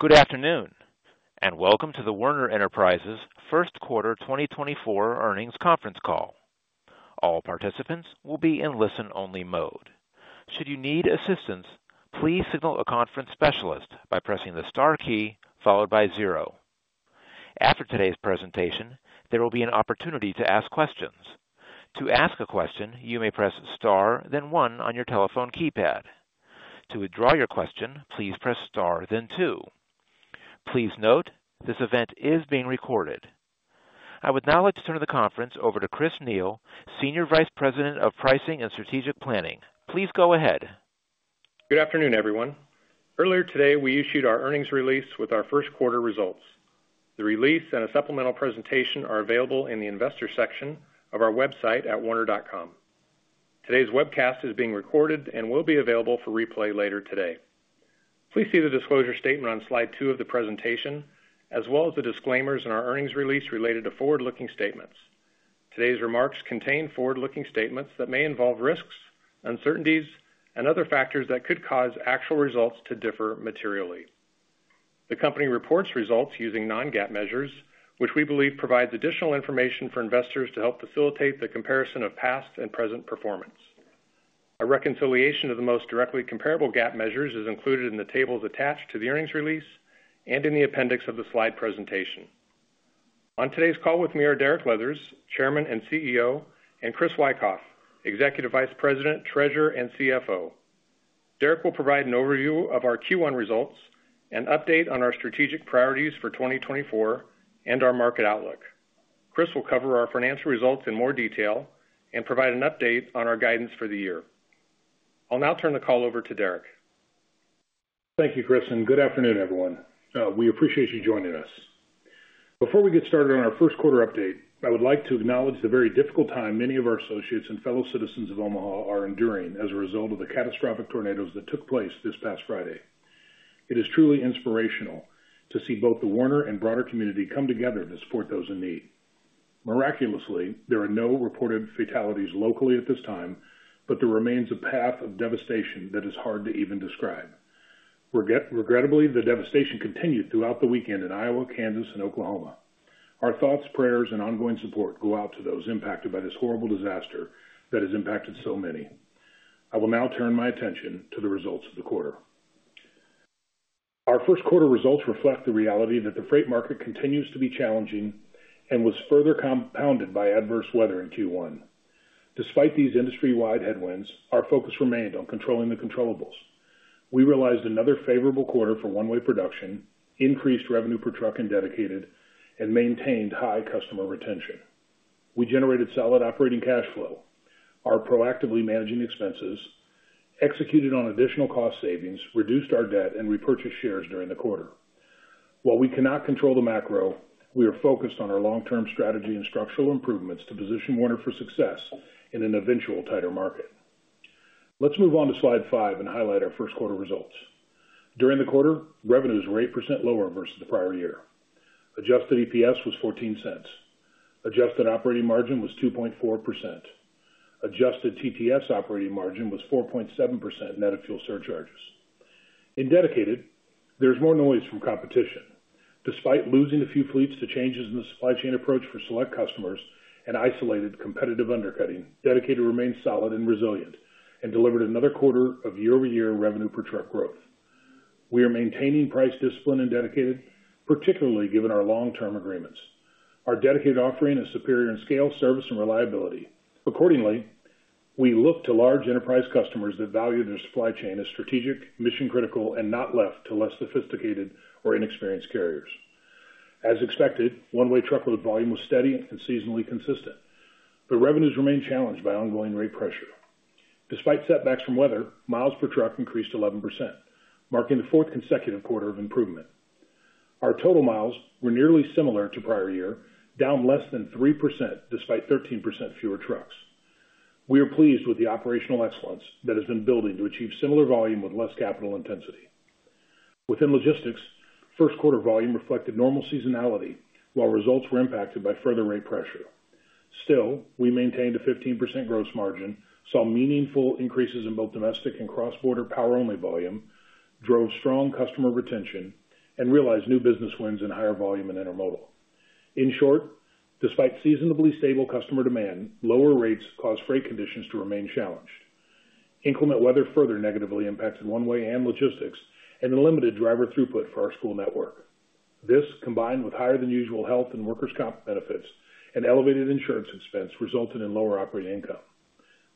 Good afternoon, and welcome to the Werner Enterprises Q1 2024 earnings conference call. All participants will be in listen-only mode. Should you need assistance, please signal a conference specialist by pressing the Star key followed by zero. After today's presentation, there will be an opportunity to ask questions. To ask a question, you may press Star, then one on your telephone keypad. To withdraw your question, please press Star then two. Please note, this event is being recorded. I would now like to turn the conference over to Chris Neal, Senior Vice President of Pricing and Strategic Planning. Please go ahead. Good afternoon, everyone. Earlier today, we issued our earnings release with our Q1 results. The release and a supplemental presentation are available in the investor section of our website at werner.com. Today's webcast is being recorded and will be available for replay later today. Please see the disclosure statement on slide 2 of the presentation, as well as the disclaimers in our earnings release related to forward-looking statements. Today's remarks contain forward-looking statements that may involve risks, uncertainties, and other factors that could cause actual results to differ materially. The company reports results using non-GAAP measures, which we believe provides additional information for investors to help facilitate the comparison of past and present performance. A reconciliation of the most directly comparable GAAP measures is included in the tables attached to the earnings release and in the appendix of the slide presentation. On today's call with me are Derek Leathers, Chairman and CEO, and Chris Wikoff, Executive Vice President, Treasurer, and CFO. Derek will provide an overview of our Q1 results, an update on our strategic priorities for 2024, and our market outlook. Chris will cover our financial results in more detail and provide an update on our guidance for the year. I'll now turn the call over to Derek. Thank you, Chris, and good afternoon, everyone. We appreciate you joining us. Before we get started on our Q1 update, I would like to acknowledge the very difficult time many of our associates and fellow citizens of Omaha are enduring as a result of the catastrophic tornadoes that took place this past Friday. It is truly inspirational to see both the Werner and broader community come together to support those in need. Miraculously, there are no reported fatalities locally at this time, but there remains a path of devastation that is hard to even describe. Regrettably, the devastation continued throughout the weekend in Iowa, Kansas, and Oklahoma. Our thoughts, prayers, and ongoing support go out to those impacted by this horrible disaster that has impacted so many. I will now turn my attention to the results of the quarter. Our Q1 results reflect the reality that the freight market continues to be challenging and was further compounded by adverse weather in Q1. Despite these industry-wide headwinds, our focus remained on controlling the controllables. We realized another favorable quarter for one-way production, increased revenue per truck in dedicated, and maintained high customer retention. We generated solid operating cash flow, are proactively managing expenses, executed on additional cost savings, reduced our debt, and repurchased shares during the quarter. While we cannot control the macro, we are focused on our long-term strategy and structural improvements to position Werner for success in an eventual tighter market. Let's move on to slide 5 and highlight our Q1 results. During the quarter, revenues were 8% lower versus the prior year. Adjusted EPS was $0.14. Adjusted operating margin was 2.4%. Adjusted TTS operating margin was 4.7% net of fuel surcharges. In Dedicated, there's more noise from competition. Despite losing a few fleets to changes in the supply chain approach for select customers and isolated competitive undercutting, dedicated remains solid and resilient and delivered another quarter of year-over-year revenue per truck growth. We are maintaining price discipline in Dedicated, particularly given our long-term agreements. Our dedicated offering is superior in scale, service, and reliability. Accordingly, we look to large enterprise customers that value their supply chain as strategic, mission-critical, and not left to less sophisticated or inexperienced carriers. As expected, One-Way truckload volume was steady and seasonally consistent, but revenues remained challenged by ongoing rate pressure. Despite setbacks from weather, miles per truck increased 11%, marking the fourth consecutive quarter of improvement. Our total miles were nearly similar to prior year, down less than 3%, despite 13% fewer trucks. We are pleased with the operational excellence that has been building to achieve similar volume with less capital intensity. Within Logistics, Q1 volume reflected normal seasonality, while results were impacted by further rate pressure. Still, we maintained a 15% gross margin, saw meaningful increases in both domestic and cross-border Power Only volume, drove strong customer retention, and realized new business wins and higher volume in Intermodal. In short, despite seasonably stable customer demand, lower rates caused freight conditions to remain challenged. Inclement weather further negatively impacted One-Way and Logistics and limited driver throughput for our school network. This, combined with higher-than-usual health and workers' comp benefits and elevated insurance expense, resulted in lower operating income.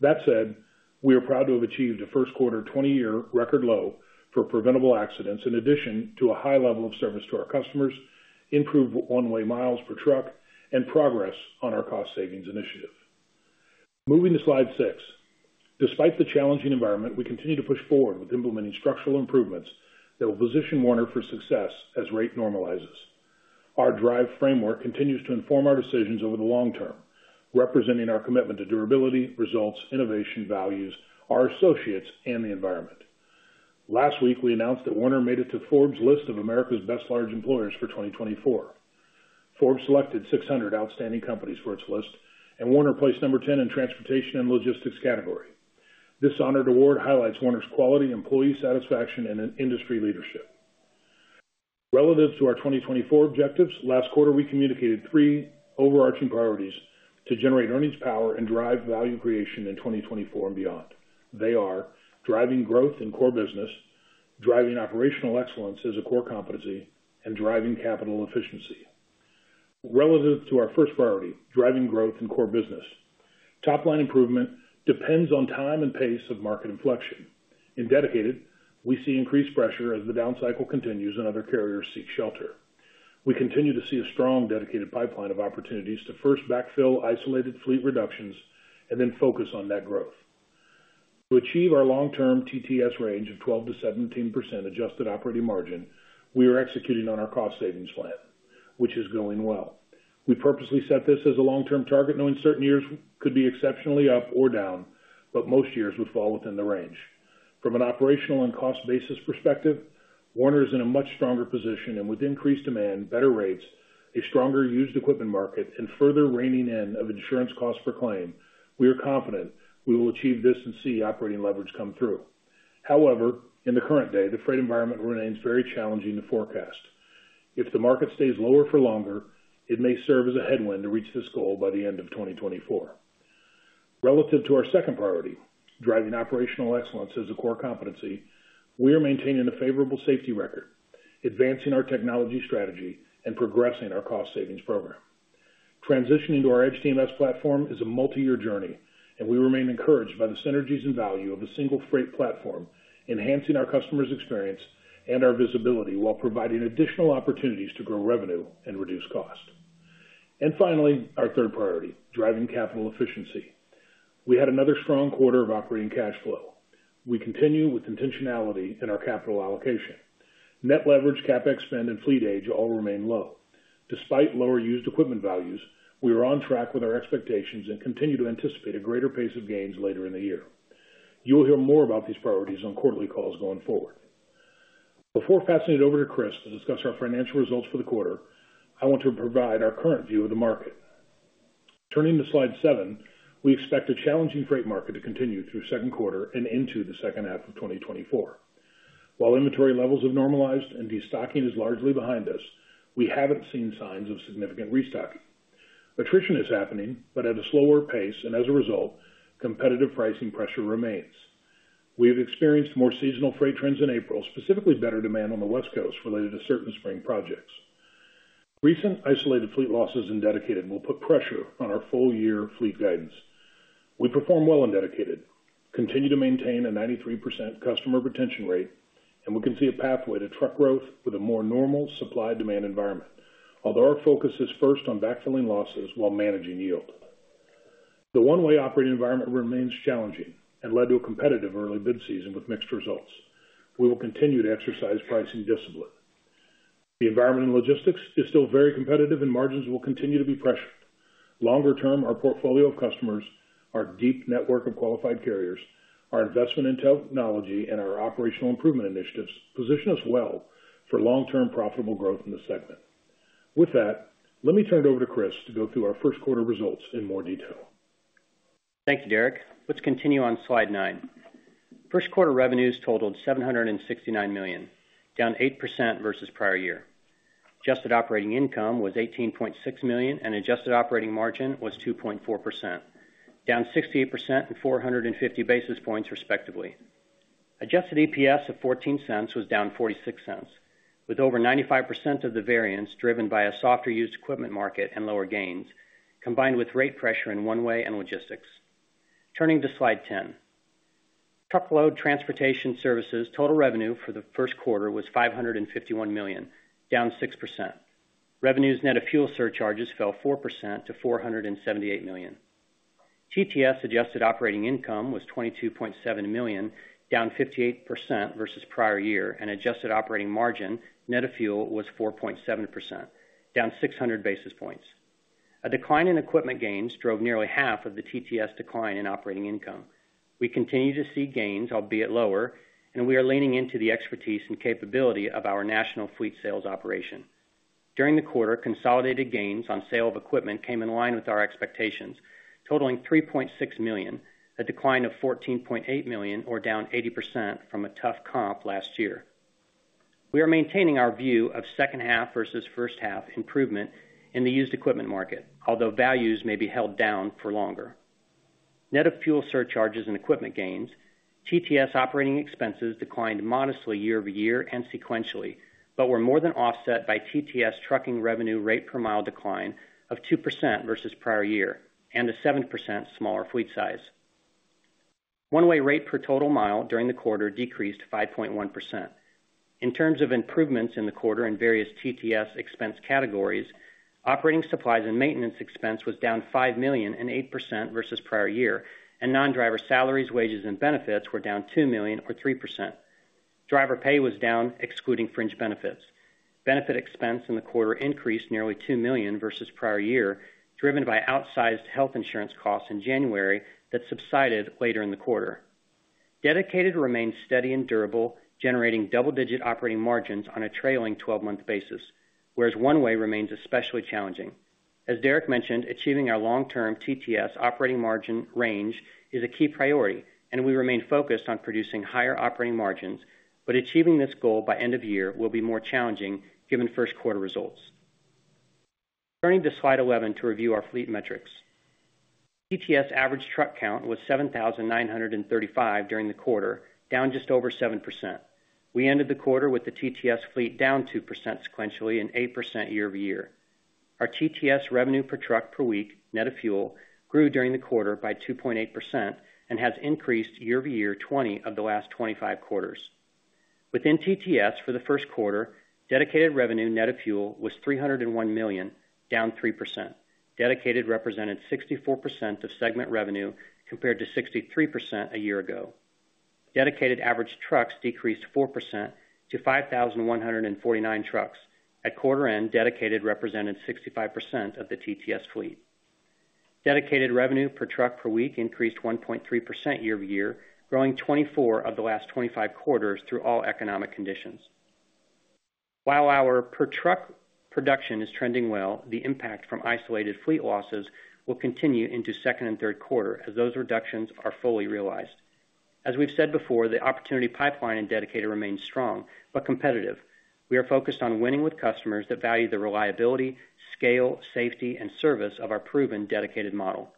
That said, we are proud to have achieved a Q1 20-year record low for preventable accidents, in addition to a high level of service to our customers, improved one-way miles per truck, and progress on our cost savings initiative. Moving to slide 6. Despite the challenging environment, we continue to push forward with implementing structural improvements that will position Werner for success as rate normalizes. Our DRIVE framework continues to inform our decisions over the long term, representing our commitment to durability, results, innovation, values, our associates, and the environment. Last week, we announced that Werner made it to Forbes' list of America's Best Large Employers for 2024. Forbes selected 600 outstanding companies for its list, and Werner placed number 10 in transportation and logistics category. This honored award highlights Werner's quality, employee satisfaction, and an industry leadership. Relative to our 2024 objectives, last quarter, we communicated 3 overarching priorities to generate earnings power and drive value creation in 2024 and beyond. They are: driving growth in core business, driving operational excellence as a core competency, and driving capital efficiency. Relative to our first priority, driving growth in core business, top line improvement depends on time and pace of market inflection. In dedicated, we see increased pressure as the down cycle continues and other carriers seek shelter. We continue to see a strong dedicated pipeline of opportunities to first backfill isolated fleet reductions and then focus on net growth. To achieve our long-term TTS range of 12%-17% adjusted operating margin, we are executing on our cost savings plan, which is going well. We purposely set this as a long-term target, knowing certain years could be exceptionally up or down, but most years would fall within the range. From an operational and cost basis perspective, Werner is in a much stronger position, and with increased demand, better rates, a stronger used equipment market, and further reining in of insurance costs per claim, we are confident we will achieve this and see operating leverage come through. However, in the current day, the freight environment remains very challenging to forecast. If the market stays lower for longer, it may serve as a headwind to reach this goal by the end of 2024. Relative to our second priority, driving operational excellence as a core competency, we are maintaining a favorable safety record, advancing our technology strategy, and progressing our cost savings program. Transitioning to our Edge TMS Platform is a multi-year journey, and we remain encouraged by the synergies and value of a single freight platform, enhancing our customers' experience and our visibility, while providing additional opportunities to grow revenue and reduce cost. And finally, our third priority, driving capital efficiency. We had another strong quarter of operating cash flow. We continue with intentionality in our capital allocation. Net leverage, CapEx spend, and fleet age all remain low. Despite lower used equipment values, we are on track with our expectations and continue to anticipate a greater pace of gains later in the year. You will hear more about these priorities on quarterly calls going forward. Before passing it over to Chris to discuss our financial results for the quarter, I want to provide our current view of the market. Turning to slide 7, we expect a challenging freight market to continue through Q2 and into the second half of 2024. While inventory levels have normalized and destocking is largely behind us, we haven't seen signs of significant restocking. Attrition is happening, but at a slower pace, and as a result, competitive pricing pressure remains. We have experienced more seasonal freight trends in April, specifically better demand on the West Coast related to certain spring projects. Recent isolated fleet losses in Dedicated will put pressure on our full year fleet guidance. We perform well in Dedicated, continue to maintain a 93% customer retention rate, and we can see a pathway to truck growth with a more normal supply-demand environment. Although our focus is first on backfilling losses while managing yield. The One-Way operating environment remains challenging and led to a competitive early bid season with mixed results. We will continue to exercise pricing discipline. The environment in logistics is still very competitive, and margins will continue to be pressured. Longer term, our portfolio of customers, our deep network of qualified carriers, our investment in technology, and our operational improvement initiatives position us well for long-term profitable growth in the segment. With that, let me turn it over to Chris to go through our Q1 results in more detail. Thank you, Derek. Let's continue on slide 9. Q1 revenues totaled $769 million, down 8% versus prior year. Adjusted operating income was $18.6 million, and adjusted operating margin was 2.4%, down 68% and 450 basis points, respectively. Adjusted EPS of $0.14 was down $0.46, with over 95% of the variance driven by a softer used equipment market and lower gains, combined with rate pressure in one way and logistics. Turning to slide 10. Truckload transportation services total revenue for the Q1 was $551 million, down 6%. Revenues net of fuel surcharges fell 4% to $478 million. TTS adjusted operating income was $22.7 million, down 58% versus prior year, and adjusted operating margin net of fuel was 4.7%, down 600 basis points. A decline in equipment gains drove nearly half of the TTS decline in operating income. We continue to see gains, albeit lower, and we are leaning into the expertise and capability of our national fleet sales operation. During the quarter, consolidated gains on sale of equipment came in line with our expectations, totaling $3.6 million, a decline of $14.8 million, or down 80% from a tough comp last year. We are maintaining our view of second half versus first half improvement in the used equipment market, although values may be held down for longer. Net of fuel surcharges and equipment gains, TTS operating expenses declined modestly year over year and sequentially, but were more than offset by TTS trucking revenue rate per mile decline of 2% versus prior year and a 7% smaller fleet size. One-Way rate per total mile during the quarter decreased 5.1%. In terms of improvements in the quarter in various TTS expense categories, operating supplies and maintenance expense was down $5 million and 8% versus prior year, and non-driver salaries, wages, and benefits were down $2 million or 3%. Driver pay was down, excluding fringe benefits. Benefit expense in the quarter increased nearly $2 million versus prior year, driven by outsized health insurance costs in January that subsided later in the quarter. Dedicated remains steady and durable, generating double-digit operating margins on a trailing twelve-month basis, whereas One-Way remains especially challenging. As Derek mentioned, achieving our long-term TTS operating margin range is a key priority, and we remain focused on producing higher operating margins, but achieving this goal by end of year will be more challenging, given Q1 results. Turning to Slide 11 to review our fleet metrics. TTS average truck count was 7,935 during the quarter, down just over 7%. We ended the quarter with the TTS fleet down 2% sequentially and 8% year-over-year. Our TTS revenue per truck per week, net of fuel, grew during the quarter by 2.8% and has increased year-over-year, 20 of the last 25 quarters. Within TTS, for the Q1, dedicated revenue net of fuel was $301 million, down 3%. Dedicated represented 64% of segment revenue, compared to 63% a year ago. Dedicated average trucks decreased 4% to 5,149 trucks. At quarter end, Dedicated represented 65% of the TTS fleet. Dedicated revenue per truck per week increased 1.3% year-over-year, growing 24 of the last 25 quarters through all economic conditions. While our per truck production is trending well, the impact from isolated fleet losses will continue into second and Q3 as those reductions are fully realized. As we've said before, the opportunity pipeline in Dedicated remains strong but competitive. We are focused on winning with customers that value the reliability, scale, safety, and service of our proven Dedicated model.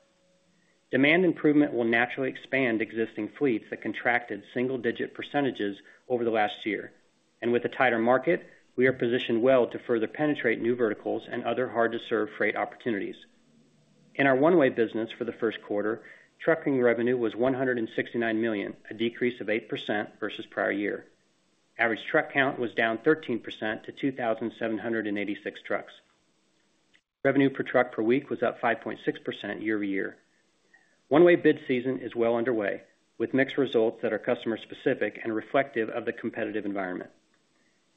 Demand improvement will naturally expand existing fleets that contracted single-digit percentages over the last year, and with a tighter market, we are positioned well to further penetrate new verticals and other hard-to-serve freight opportunities. In our One-Way business for the Q1, trucking revenue was $169 million, a decrease of 8% versus prior year. Average truck count was down 13% to 2,786 trucks. Revenue per truck per week was up 5.6% year-over-year. One-Way bid season is well underway, with mixed results that are customer specific and reflective of the competitive environment.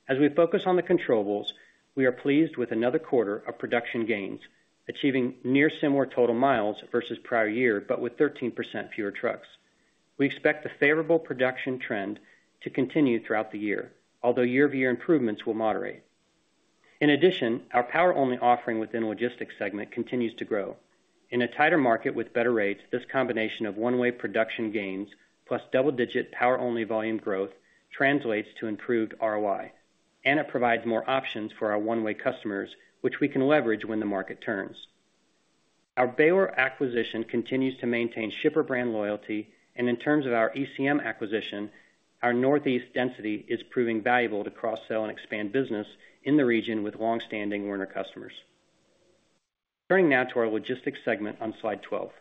As we focus on the controllables, we are pleased with another quarter of production gains, achieving near similar total miles versus prior year, but with 13% fewer trucks. We expect the favorable production trend to continue throughout the year, although year-over-year improvements will moderate. In addition, our power-only offering within Logistics segment continues to grow. In a tighter market with better rates, this combination of One-Way production gains, plus double-digit power-only volume growth, translates to improved ROI, and it provides more options for our One-Way customers, which we can leverage when the market turns. Our Baylor acquisition continues to maintain shipper brand loyalty, and in terms of our ECM acquisition, our Northeast density is proving valuable to cross-sell and expand business in the region with long-standing Werner customers. Turning now to our Logistics segment on Slide 12.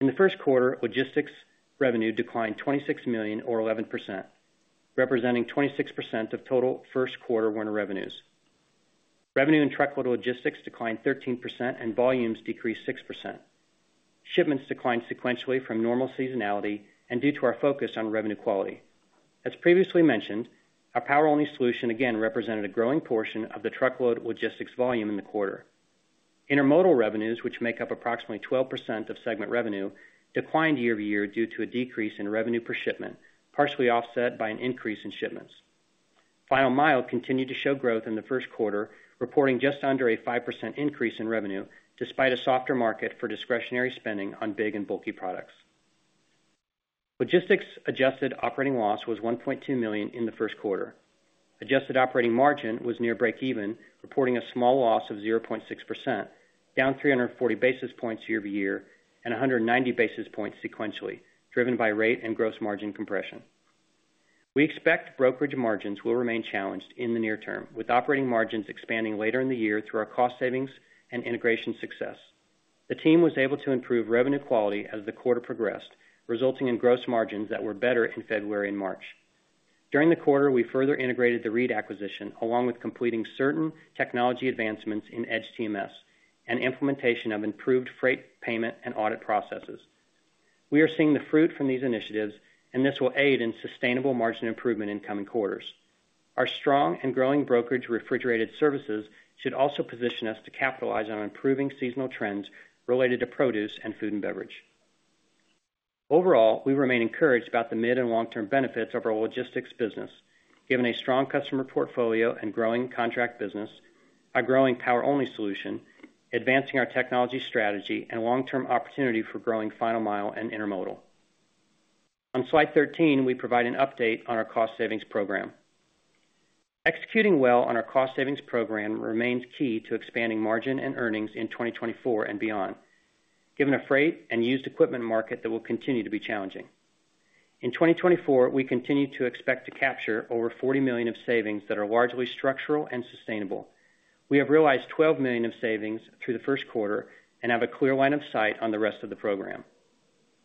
In the Q1, Logistics revenue declined $26 million or 11%, representing 26% of total Q1 Werner revenues. Revenue in truckload logistics declined 13% and volumes decreased 6%. Shipments declined sequentially from normal seasonality and due to our focus on revenue quality. As previously mentioned, our power-only solution, again, represented a growing portion of the truckload logistics volume in the quarter. Intermodal revenues, which make up approximately 12% of segment revenue, declined year-over-year due to a decrease in revenue per shipment, partially offset by an increase in shipments. Final Mile continued to show growth in the Q1, reporting just under a 5% increase in revenue, despite a softer market for discretionary spending on big and bulky products. Logistics adjusted operating loss was $1.2 million in the Q1. Adjusted operating margin was near breakeven, reporting a small loss of 0.6%, down 340 basis points year-over-year, and 190 basis points sequentially, driven by rate and gross margin compression. We expect brokerage margins will remain challenged in the near term, with operating margins expanding later in the year through our cost savings and integration success. The team was able to improve revenue quality as the quarter progressed, resulting in gross margins that were better in February and March. During the quarter, we further integrated the Reed acquisition, along with completing certain technology advancements in Edge TMS and implementation of improved freight, payment, and audit processes. We are seeing the fruit from these initiatives, and this will aid in sustainable margin improvement in coming quarters. Our strong and growing brokerage refrigerated services should also position us to capitalize on improving seasonal trends related to produce and food and beverage. Overall, we remain encouraged about the mid- and long-term benefits of our Logistics business, given a strong customer portfolio and growing contract business, our growing power-only solution, advancing our technology strategy, and long-term opportunity for growing final mile and intermodal. On Slide 13, we provide an update on our cost savings program. Executing well on our cost savings program remains key to expanding margin and earnings in 2024 and beyond, given a freight and used equipment market that will continue to be challenging. In 2024, we continue to expect to capture over $40 million of savings that are largely structural and sustainable. We have realized $12 million of savings through the Q1 and have a clear line of sight on the rest of the program.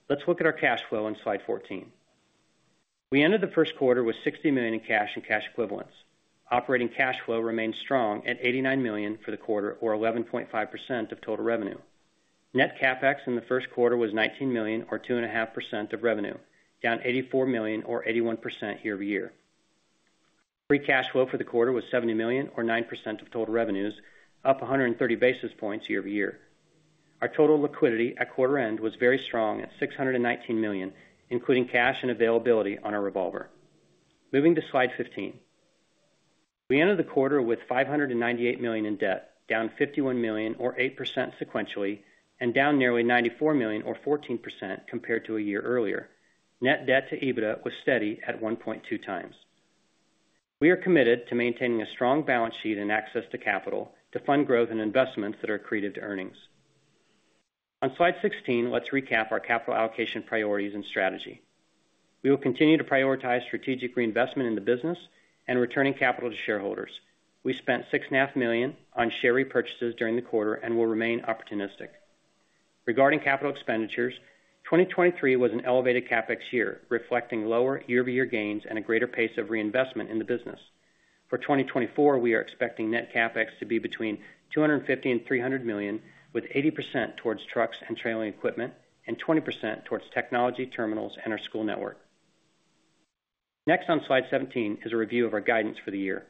Let's look at our cash flow on Slide 14. We ended the Q1 with $60 million in cash and cash equivalents. Operating cash flow remained strong at $89 million for the quarter, or 11.5% of total revenue. Net CapEx in the Q1 was $19 million, or 2.5% of revenue, down $84 million, or 81% year-over-year. Free cash flow for the quarter was $70 million, or 9% of total revenues, up 130 basis points year-over-year. Our total liquidity at quarter end was very strong at $619 million, including cash and availability on our revolver. Moving to slide 15. We ended the quarter with $598 million in debt, down $51 million or 8% sequentially, and down nearly $94 million or 14% compared to a year earlier. Net debt to EBITDA was steady at 1.2x. We are committed to maintaining a strong balance sheet and access to capital to fund growth and investments that are accretive to earnings. On slide 16, let's recap our capital allocation priorities and strategy. We will continue to prioritize strategic reinvestment in the business and returning capital to shareholders. We spent $6.5 million on share repurchases during the quarter and will remain opportunistic. Regarding capital expenditures, 2023 was an elevated CapEx year, reflecting lower year-over-year gains and a greater pace of reinvestment in the business. For 2024, we are expecting net CapEx to be between $250 million and $300 million, with 80% towards trucks and trailing equipment and 20% towards technology, terminals, and our school network. Next, on slide 17, is a review of our guidance for the year.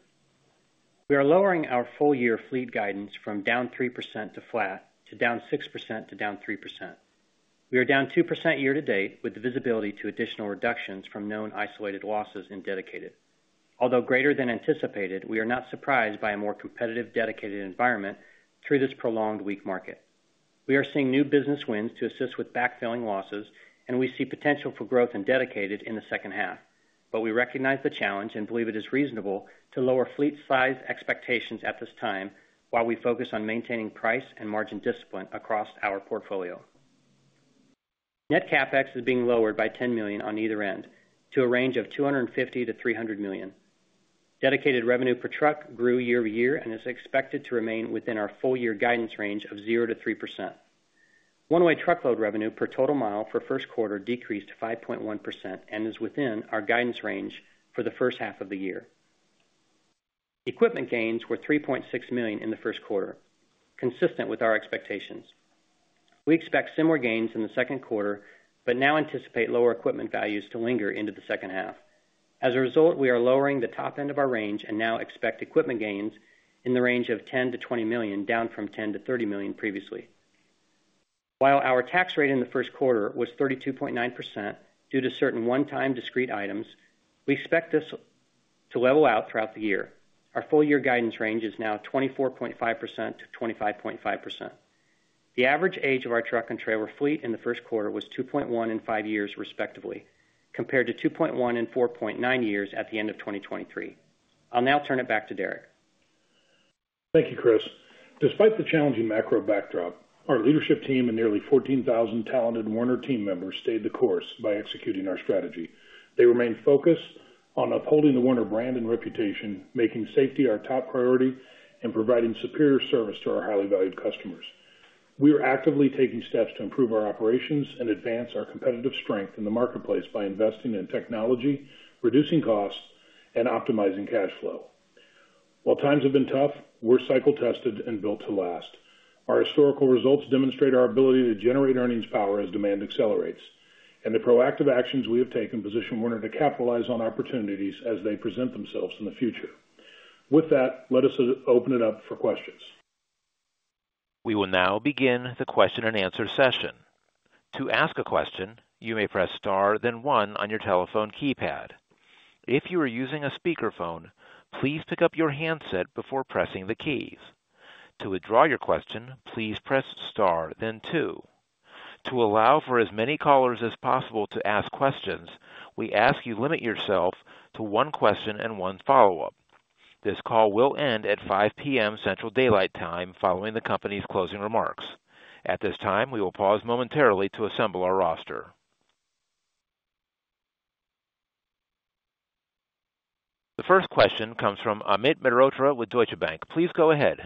We are lowering our full-year fleet guidance from down 3% to flat to down 6% to down 3%. We are down 2% year to date, with the visibility to additional reductions from known isolated losses in dedicated. Although greater than anticipated, we are not surprised by a more competitive, dedicated environment through this prolonged weak market. We are seeing new business wins to assist with backfilling losses, and we see potential for growth and Dedicated in the second half. But we recognize the challenge and believe it is reasonable to lower fleet size expectations at this time, while we focus on maintaining price and margin discipline across our portfolio. Net CapEx is being lowered by $10 million on either end to a range of $250 million-$300 million. Dedicated revenue per truck grew year-over-year and is expected to remain within our full year guidance range of 0%-3%. One-Way truckload revenue per total mile for Q1 decreased to 5.1% and is within our guidance range for the first half of the year. Equipment gains were $3.6 million in the Q1, consistent with our expectations. We expect similar gains in the Q2, but now anticipate lower equipment values to linger into the second half. As a result, we are lowering the top end of our range and now expect equipment gains in the range of $10 million-$20 million, down from $10 million-$30 million previously. While our tax rate in the Q1 was 32.9% due to certain one-time discrete items, we expect this to level out throughout the year. Our full-year guidance range is now 24.5%-25.5%. The average age of our truck and trailer fleet in the Q1 was 2.1 and 5 years, respectively, compared to 2.1 and 4.9 years at the end of 2023. I'll now turn it back to Derek. Thank you, Chris. Despite the challenging macro backdrop, our leadership team and nearly 14,000 talented Werner team members stayed the course by executing our strategy. They remain focused on upholding the Werner brand and reputation, making safety our top priority, and providing superior service to our highly valued customers. We are actively taking steps to improve our operations and advance our competitive strength in the marketplace by investing in technology, reducing costs, and optimizing cash flow. While times have been tough, we're cycle tested and built to last. Our historical results demonstrate our ability to generate earnings power as demand accelerates, and the proactive actions we have taken position Werner to capitalize on opportunities as they present themselves in the future. With that, let us open it up for questions. We will now begin the question and answer session. To ask a question, you may press Star, then one on your telephone keypad. If you are using a speakerphone, please pick up your handset before pressing the keys. To withdraw your question, please press Star then two. To allow for as many callers as possible to ask questions, we ask you limit yourself to one question and one follow-up. This call will end at 5 P.M. Central Daylight Time, following the company's closing remarks. At this time, we will pause momentarily to assemble our roster. The first question comes from Amit Mehrotra with Deutsche Bank. Please go ahead.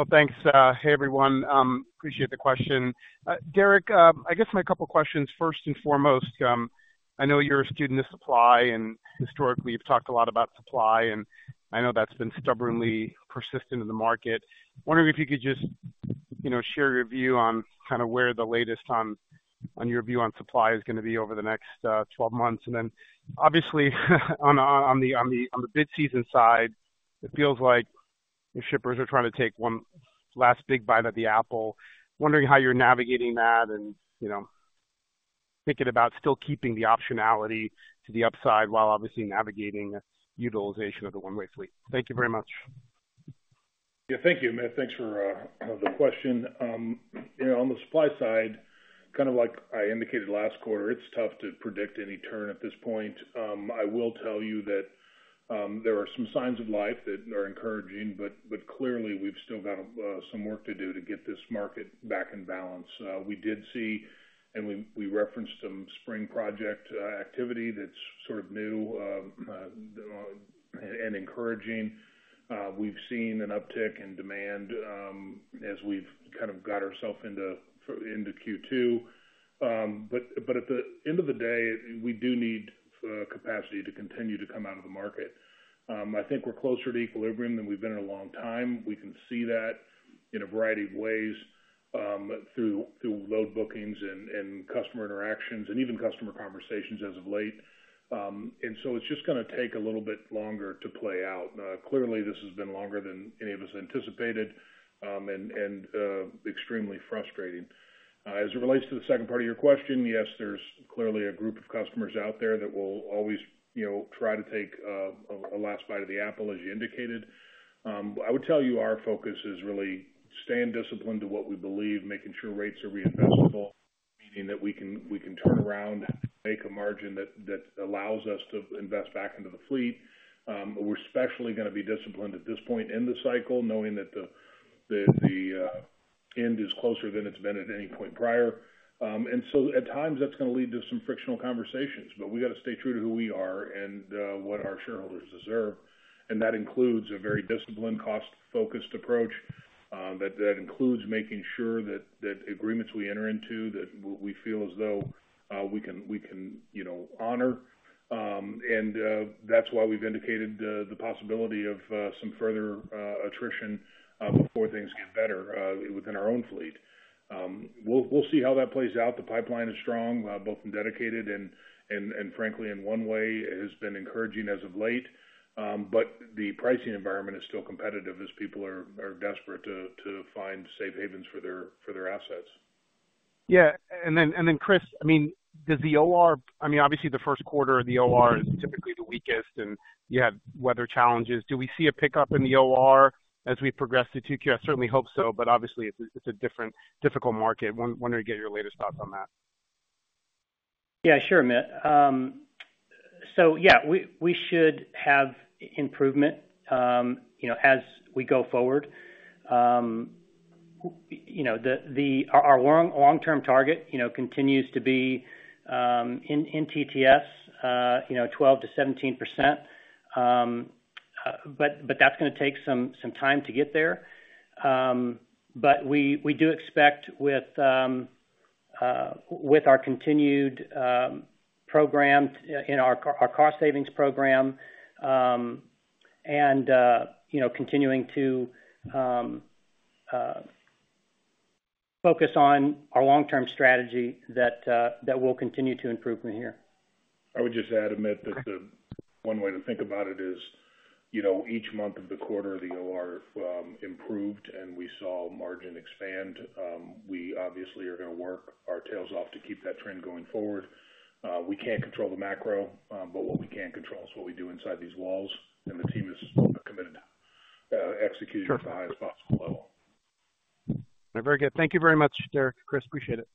Oh, thanks. Hey, everyone. Appreciate the question. Derek, I guess my couple questions. First and foremost, I know you're a student of supply, and historically, you've talked a lot about supply, and I know that's been stubbornly persistent in the market. Wondering if you could just, you know, share your view on kind of where the latest on your view on supply is going to be over the next 12 months. And then obviously, on the bid season side, it feels like the shippers are trying to take one last big bite at the apple. Wondering how you're navigating that and, you know, thinking about still keeping the optionality to the upside while obviously navigating utilization of the one-way fleet. Thank you very much. Yeah, thank you, Amit. Thanks for the question. You know, on the supply side, kind of like I indicated last quarter, it's tough to predict any turn at this point. I will tell you that there are some signs of life that are encouraging, but clearly, we've still got some work to do to get this market back in balance. We did see, and we referenced some spring project activity that's sort of new, and encouraging. We've seen an uptick in demand as we've kind of got ourselves into Q2. But at the end of the day, we do need capacity to continue to come out of the market. I think we're closer to equilibrium than we've been in a long time. We can see that in a variety of ways.... through load bookings and customer interactions, and even customer conversations as of late. And so it's just gonna take a little bit longer to play out. Clearly, this has been longer than any of us anticipated, and extremely frustrating. As it relates to the second part of your question, yes, there's clearly a group of customers out there that will always, you know, try to take a last bite of the apple, as you indicated. I would tell you, our focus is really staying disciplined to what we believe, making sure rates are reinvestable, meaning that we can turn around and make a margin that allows us to invest back into the fleet. We're especially gonna be disciplined at this point in the cycle, knowing that the end is closer than it's been at any point prior. And so at times, that's gonna lead to some frictional conversations, but we gotta stay true to who we are and what our shareholders deserve, and that includes a very disciplined, cost-focused approach that includes making sure that agreements we enter into that we feel as though we can, you know, honor. And that's why we've indicated the possibility of some further attrition before things get better within our own fleet. We'll see how that plays out. The pipeline is strong both in Dedicated and frankly in One-Way. It has been encouraging as of late. But the pricing environment is still competitive as people are desperate to find safe havens for their assets. Yeah. And then, Chris, I mean, does the OR... I mean, obviously, the Q1 of the OR is typically the weakest, and you have weather challenges. Do we see a pickup in the OR as we progress to 2Q? I certainly hope so, but obviously, it's a different, difficult market. Wanted to get your latest thoughts on that. Yeah, sure, Amit. So yeah, we should have improvement, you know, as we go forward. You know, our long-term target continues to be in TTS, you know, 12%-17%. But that's gonna take some time to get there. But we do expect with our continued program in our cost savings program, and you know, continuing to focus on our long-term strategy, that will continue to improve from here. I would just add, Amit, that the one way to think about it is, you know, each month of the quarter, the OR improved, and we saw margin expand. We obviously are gonna work our tails off to keep that trend going forward. We can't control the macro, but what we can control is what we do inside these walls, and the team is committed to executing at the highest possible level. Very good. Thank you very much, Derek, Chris. Appreciate it.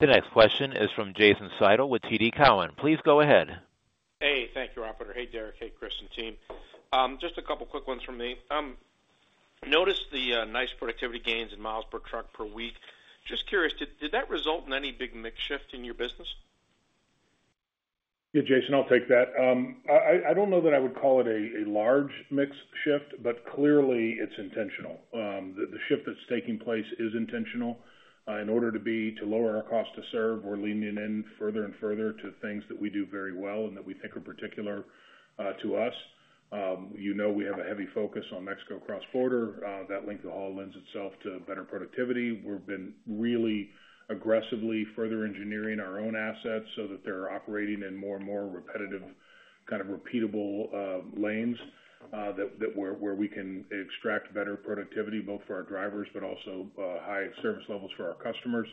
The next question is from Jason Seidl with TD Cowen. Please go ahead. Hey, thank you, operator. Hey, Derek. Hey, Chris, and team. Just a couple quick ones from me. Noticed the nice productivity gains in miles per truck per week. Just curious, did that result in any big mix shift in your business? Yeah, Jason, I'll take that. I don't know that I would call it a large mix shift, but clearly it's intentional. The shift that's taking place is intentional. In order to lower our cost to serve, we're leaning in further and further to things that we do very well and that we think are particular to us. You know, we have a heavy focus on Mexico cross-border. That length of haul lends itself to better productivity. We've been really aggressively further engineering our own assets so that they're operating in more and more repetitive, kind of repeatable lanes that where we can extract better productivity, both for our drivers, but also high service levels for our customers.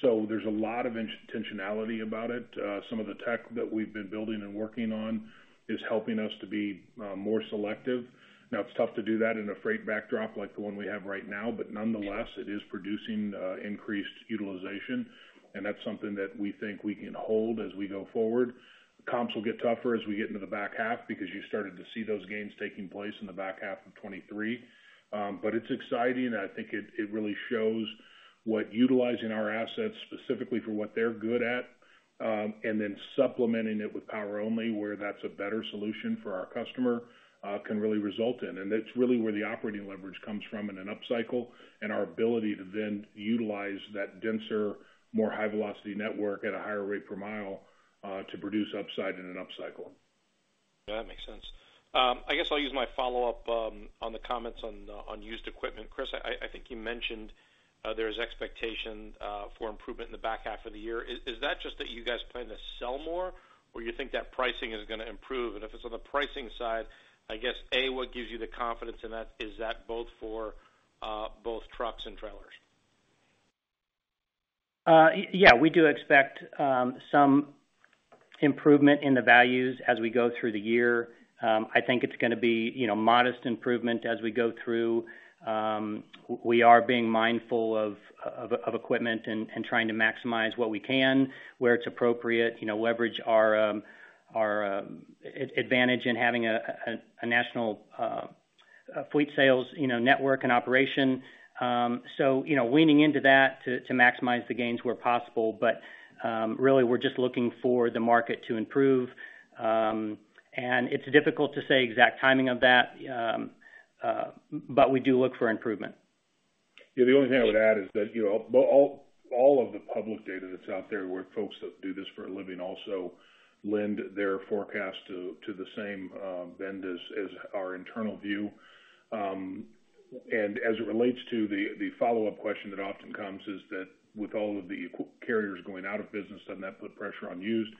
So there's a lot of intentionality about it. Some of the tech that we've been building and working on is helping us to be more selective. Now, it's tough to do that in a freight backdrop like the one we have right now, but nonetheless, it is producing increased utilization, and that's something that we think we can hold as we go forward. Comps will get tougher as we get into the back half because you started to see those gains taking place in the back half of 2023. But it's exciting, and I think it really shows what utilizing our assets specifically for what they're good at, and then supplementing it with power only, where that's a better solution for our customer, can really result in. That's really where the operating leverage comes from in an upcycle and our ability to then utilize that denser, more high-velocity network at a higher rate per mile to produce upside in an upcycle. Yeah, that makes sense. I guess I'll use my follow-up on the comments on the, on used equipment. Chris, I think you mentioned there is expectation for improvement in the back half of the year. Is that just that you guys plan to sell more, or you think that pricing is gonna improve? And if it's on the pricing side, I guess, A, what gives you the confidence in that? Is that both for both trucks and trailers? Yeah, we do expect some improvement in the values as we go through the year. I think it's gonna be, you know, modest improvement as we go through. We are being mindful of equipment and trying to maximize what we can, where it's appropriate. You know, leverage our advantage in having a national fleet sales, you know, network and operation. So, you know, leaning into that to maximize the gains where possible. But really, we're just looking for the market to improve. And it's difficult to say exact timing of that, but we do look for improvement.... Yeah, the only thing I would add is that, you know, all of the public data that's out there, where folks that do this for a living also lend their forecast to the same bend as our internal view. And as it relates to the follow-up question that often comes, is that with all of the equ- carriers going out of business, doesn't that put pressure on used?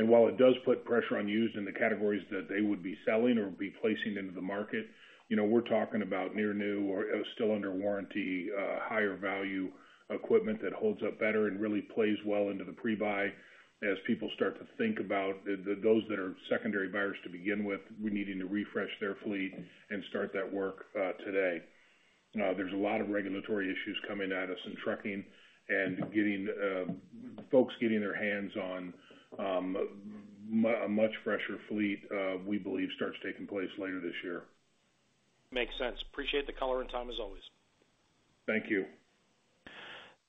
While it does put pressure on used in the categories that they would be selling or be placing into the market, you know, we're talking about near new or still under warranty, higher value equipment that holds up better and really plays well into the pre-buy as people start to think about those that are secondary buyers to begin with, needing to refresh their fleet and start that work today. There's a lot of regulatory issues coming at us in trucking and getting folks getting their hands on a much fresher fleet, we believe starts taking place later this year. Makes sense. Appreciate the color and time, as always. Thank you.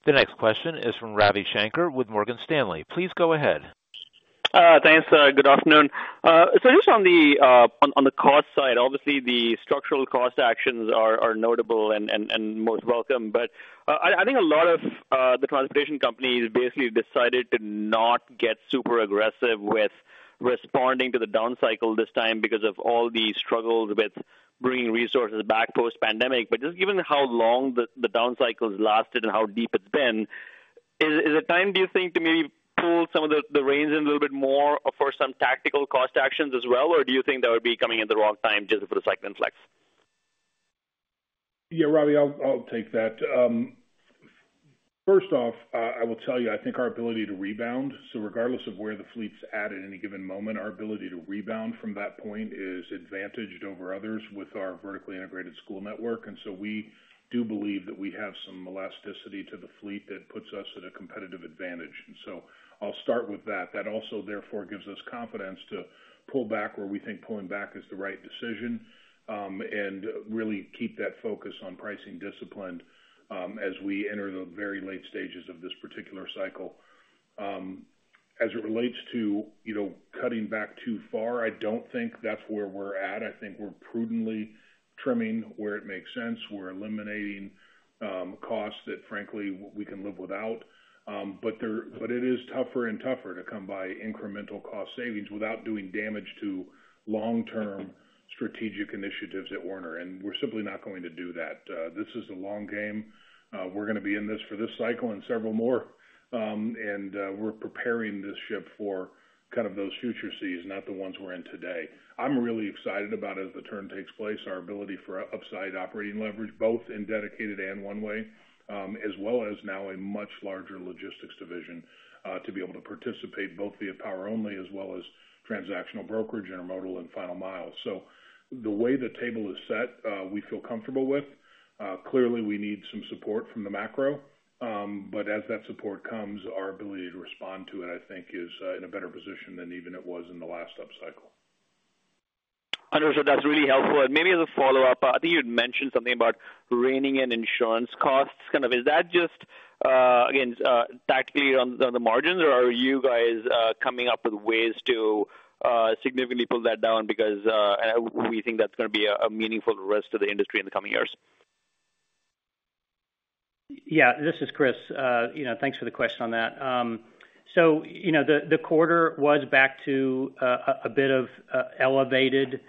The next question is from Ravi Shanker with Morgan Stanley. Please go ahead. Thanks. Good afternoon. So just on the cost side, obviously, the structural cost actions are notable and most welcome. But I think a lot of the transportation companies basically decided to not get super aggressive with responding to the down cycle this time because of all the struggles with bringing resources back post-pandemic. But just given how long the down cycle has lasted and how deep it's been, is it time, do you think, to maybe pull some of the reins in a little bit more for some tactical cost actions as well, or do you think that would be coming at the wrong time just for the cycle flex? Yeah, Ravi, I'll take that. First off, I will tell you, I think our ability to rebound, so regardless of where the fleet's at, at any given moment, our ability to rebound from that point is advantaged over others with our vertically integrated school network. And so we do believe that we have some elasticity to the fleet that puts us at a competitive advantage. And so I'll start with that. That also, therefore, gives us confidence to pull back where we think pulling back is the right decision, and really keep that focus on pricing discipline, as we enter the very late stages of this particular cycle. As it relates to, you know, cutting back too far, I don't think that's where we're at. I think we're prudently trimming where it makes sense. We're eliminating costs that, frankly, we can live without. But there, but it is tougher and tougher to come by incremental cost savings without doing damage to long-term strategic initiatives at Werner, and we're simply not going to do that. This is a long game. We're going to be in this for this cycle and several more. And, we're preparing this ship for kind of those future seas, not the ones we're in today. I'm really excited about, as the turn takes place, our ability for upside operating leverage, both in dedicated and one way, as well as now a much larger logistics division, to be able to participate both via power only as well as transactional brokerage, intermodal, and final mile. So the way the table is set, we feel comfortable with. Clearly, we need some support from the macro, but as that support comes, our ability to respond to it, I think, is in a better position than even it was in the last upcycle. Understood. That's really helpful. And maybe as a follow-up, I think you'd mentioned something about reining in insurance costs. Kind of, is that just, again, tactically on the margins, or are you guys coming up with ways to significantly pull that down? Because we think that's going to be a meaningful risk to the industry in the coming years. Yeah, this is Chris. You know, thanks for the question on that. So, you know, the quarter was back to a bit of elevated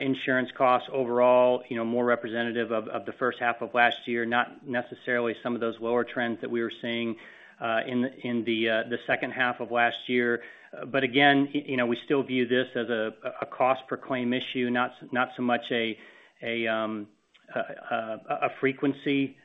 insurance costs overall, you know, more representative of the first half of last year, not necessarily some of those lower trends that we were seeing in the second half of last year. But again, you know, we still view this as a cost per claim issue, not so much a frequency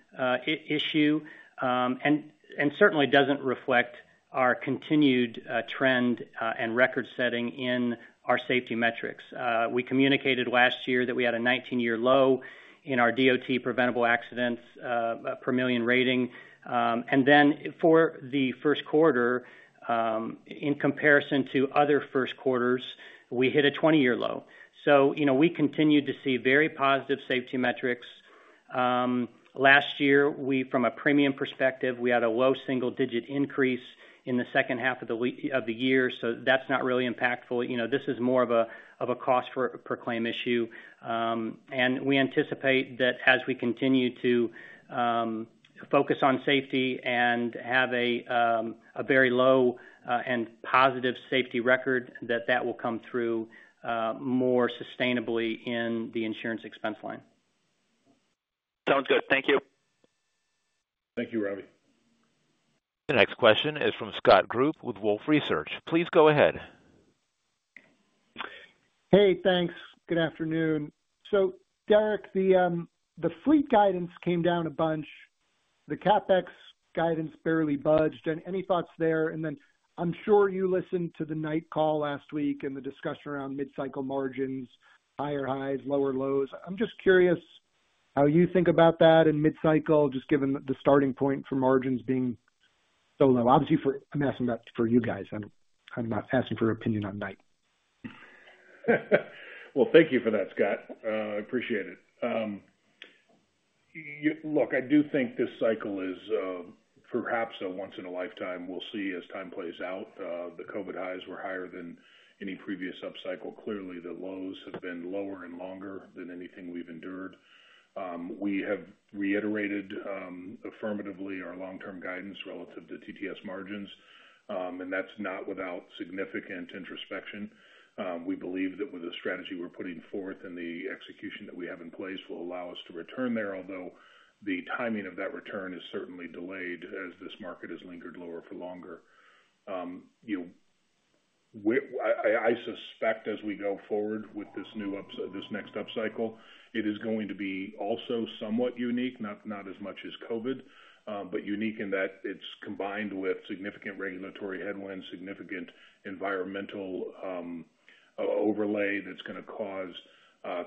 issue, and certainly doesn't reflect our continued trend and record setting in our safety metrics. We communicated last year that we had a 19-year low in our DOT preventable accidents per million rating. And then for the Q1, in comparison to other Q1s, we hit a 20-year low. So, you know, we continue to see very positive safety metrics. Last year, from a premium perspective, we had a low single-digit increase in the second half of the year, so that's not really impactful. You know, this is more of a cost per claim issue. And we anticipate that as we continue to focus on safety and have a very low and positive safety record, that that will come through more sustainably in the insurance expense line. Sounds good. Thank you. Thank you, Ravi. The next question is from Scott Group with Wolfe Research. Please go ahead. Hey, thanks. Good afternoon. So Derek, the, the fleet guidance came down a bunch, the CapEx guidance barely budged. And any thoughts there? And then I'm sure you listened to the Knight call last week and the discussion around mid-cycle margins, higher highs, lower lows. I'm just curious how you think about that in mid-cycle, just given the starting point for margins being so low. Obviously, for... I'm asking that for you guys. I'm, I'm not asking for an opinion on Knight. Well, thank you for that, Scott. Appreciate it. Look, I do think this cycle is perhaps a once in a lifetime. We'll see as time plays out. The COVID highs were higher than any previous upcycle. Clearly, the lows have been lower and longer than anything we've endured. We have reiterated affirmatively our long-term guidance relative to TTS margins, and that's not without significant introspection. We believe that with the strategy we're putting forth and the execution that we have in place will allow us to return there, although the timing of that return is certainly delayed as this market has lingered lower for longer. You know, I suspect as we go forward with this new—this next upcycle, it is going to be also somewhat unique, not as much as COVID, but unique in that it's combined with significant regulatory headwinds, significant environmental overlay, that's gonna cause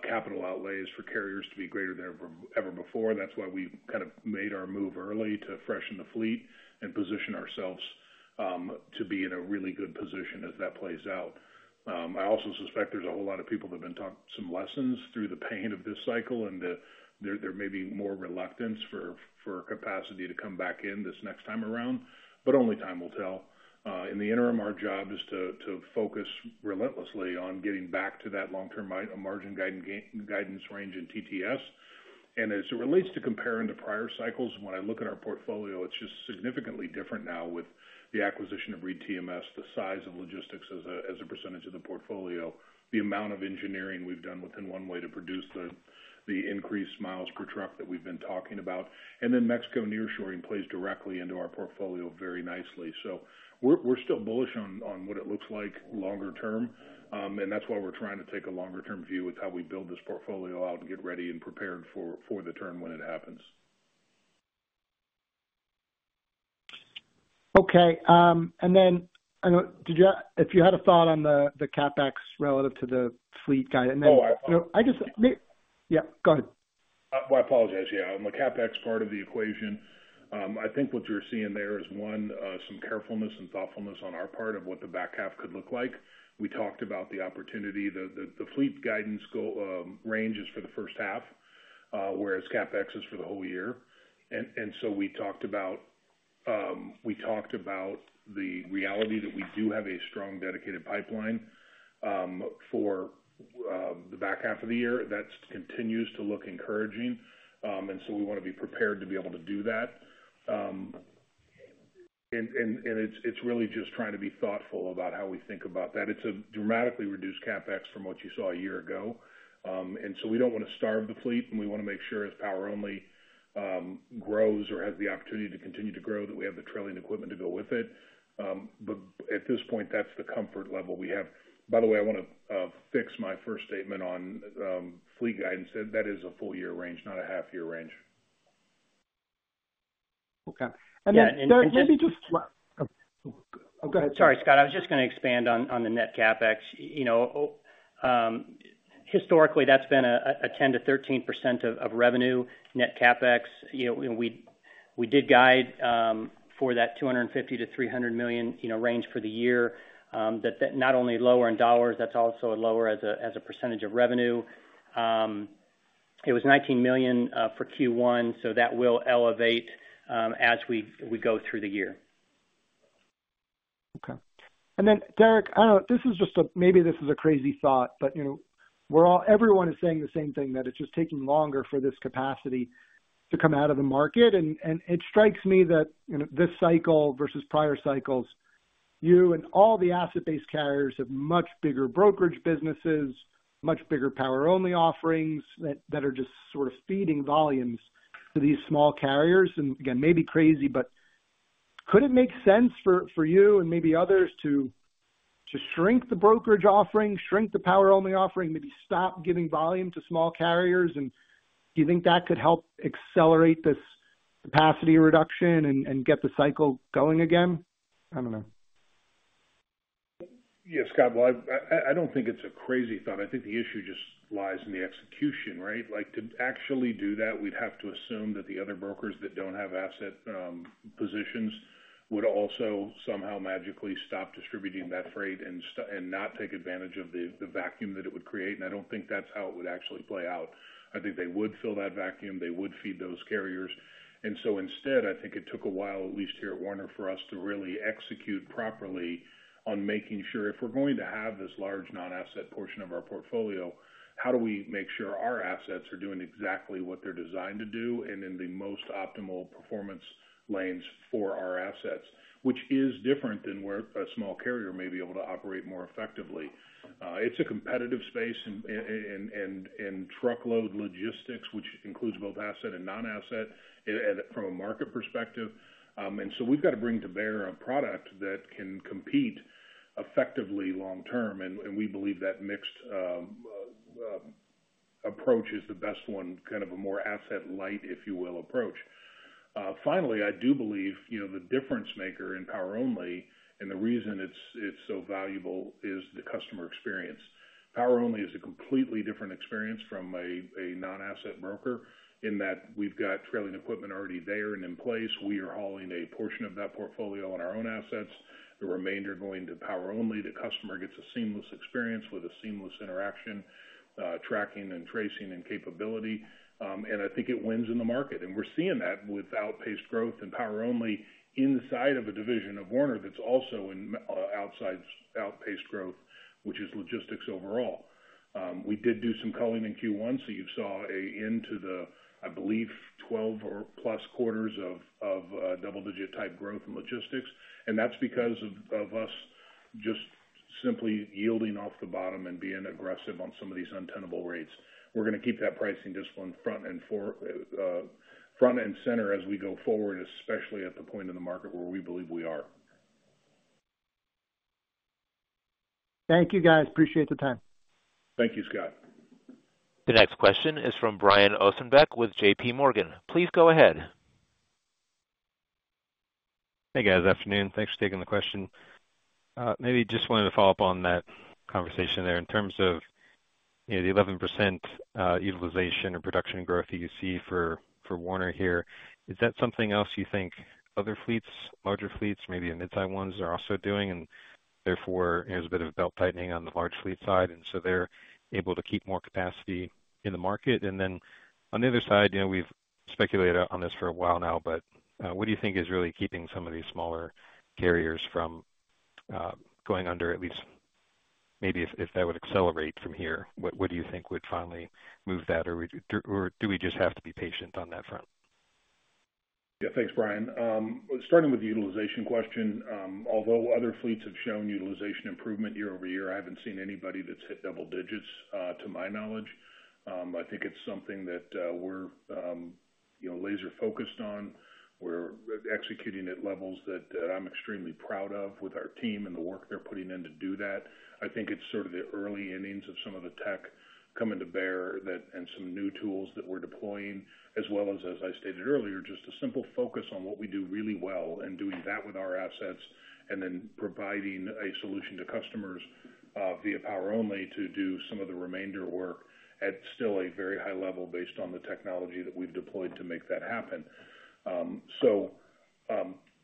capital outlays for carriers to be greater than ever before. That's why we've kind of made our move early to freshen the fleet and position ourselves to be in a really good position as that plays out. I also suspect there's a whole lot of people that have been taught some lessons through the pain of this cycle, and there may be more reluctance for capacity to come back in this next time around, but only time will tell. In the interim, our job is to focus relentlessly on getting back to that long-term margin guidance range in TTS. And as it relates to comparing to prior cycles, when I look at our portfolio, it's just significantly different now with the acquisition of Reed TMS, the size of logistics as a percentage of the portfolio, the amount of engineering we've done within one way to produce the increased miles per truck that we've been talking about. And then Mexico nearshoring plays directly into our portfolio very nicely. So we're still bullish on what it looks like longer term, and that's why we're trying to take a longer term view with how we build this portfolio out and get ready and prepared for the turn when it happens. Okay, and then, I know... Did you, if you had a thought on the CapEx relative to the fleet guide, and then- Oh, I- Yeah, go ahead. Well, I apologize. Yeah, on the CapEx part of the equation, I think what you're seeing there is, one, some carefulness and thoughtfulness on our part of what the back half could look like. We talked about the opportunity. The fleet guidance goal range is for the first half, whereas CapEx is for the whole year. And so we talked about, we talked about the reality that we do have a strong, dedicated pipeline, for the back half of the year. That continues to look encouraging, and so we want to be prepared to be able to do that. And it's really just trying to be thoughtful about how we think about that. It's a dramatically reduced CapEx from what you saw a year ago. And so we don't want to starve the fleet, and we want to make sure as Power Only grows or has the opportunity to continue to grow, that we have the trailing equipment to go with it. But at this point, that's the comfort level we have. By the way, I want to fix my first statement on fleet guidance. That is a full year range, not a half year range. Okay. Yeah, and- And then, maybe just... Oh, go ahead. Sorry, Scott. I was just going to expand on the net CapEx. You know, historically, that's been a 10%-13% of revenue, net CapEx. You know, we did guide for that $250 million-$300 million, you know, range for the year. That not only lower in dollars, that's also lower as a percentage of revenue. It was $19 million for Q1, so that will elevate as we go through the year. Okay. And then, Derek, I don't know, this is just a... Maybe this is a crazy thought, but, you know, we're all, everyone is saying the same thing, that it's just taking longer for this capacity to come out of the market. And, and it strikes me that, you know, this cycle versus prior cycles, you and all the asset-based carriers have much bigger brokerage businesses, much bigger power-only offerings, that, that are just sort of feeding volumes to these small carriers. And again, maybe crazy, but could it make sense for, for you and maybe others to, to shrink the brokerage offering, shrink the power-only offering, maybe stop giving volume to small carriers? And do you think that could help accelerate this capacity reduction and, and get the cycle going again? I don't know. Yeah, Scott. Well, I don't think it's a crazy thought. I think the issue just lies in the execution, right? Like, to actually do that, we'd have to assume that the other brokers that don't have asset positions would also somehow magically stop distributing that freight and not take advantage of the vacuum that it would create, and I don't think that's how it would actually play out. I think they would fill that vacuum, they would feed those carriers. So instead, I think it took a while, at least here at Werner, for us to really execute properly on making sure if we're going to have this large non-asset portion of our portfolio, how do we make sure our assets are doing exactly what they're designed to do, and in the most optimal performance lanes for our assets, which is different than where a small carrier may be able to operate more effectively. It's a competitive space in truckload logistics, which includes both asset and non-asset, and from a market perspective. So we've got to bring to bear a product that can compete effectively long term, and we believe that mixed approach is the best one, kind of a more asset-light, if you will, approach. Finally, I do believe, you know, the difference maker in Power Only, and the reason it's so valuable, is the customer experience. Power Only is a completely different experience from a non-asset broker in that we've got trailing equipment already there and in place. We are hauling a portion of that portfolio on our own assets, the remainder going to Power Only. The customer gets a seamless experience with a seamless interaction, tracking and tracing and capability, and I think it wins in the market. And we're seeing that with outpaced growth in Power Only inside of a division of Werner that's also in outside outpaced growth, which is logistics overall. We did do some culling in Q1, so you saw an end to the, I believe, 12 or plus quarters of double-digit type growth in logistics, and that's because of us just simply yielding off the bottom and being aggressive on some of these untenable rates. We're gonna keep that pricing discipline front and center as we go forward, especially at the point in the market where we believe we are. Thank you, guys. Appreciate the time. Thank you, Scott. The next question is from Brian Ossenbeck with J.P. Morgan. Please go ahead. Hey, guys. Afternoon. Thanks for taking the question. Maybe just wanted to follow up on that conversation there. In terms of, you know, the 11% utilization or production growth that you see for Werner here, is that something else you think other fleets, larger fleets, maybe the mid-size ones, are also doing, and therefore, there's a bit of a belt-tightening on the large fleet side, and so they're able to keep more capacity in the market? And then on the other side, you know, we've speculated on this for a while now, but what do you think is really keeping some of these smaller carriers from going under, at least maybe if that would accelerate from here, what do you think would finally move that, or do we just have to be patient on that front? Yeah. Thanks, Brian. Starting with the utilization question, although other fleets have shown utilization improvement year-over-year, I haven't seen anybody that's hit double digits, to my knowledge. I think it's something that, we're, you know, laser focused on. We're executing at levels that, that I'm extremely proud of with our team and the work they're putting in to do that. I think it's sort of the early innings of some of the tech coming to bear that... and some new tools that we're deploying, as well as, as I stated earlier, just a simple focus on what we do really well and doing that with our assets, and then providing a solution to customers, via Power Only, to do some of the remainder work at still a very high level based on the technology that we've deployed to make that happen. So,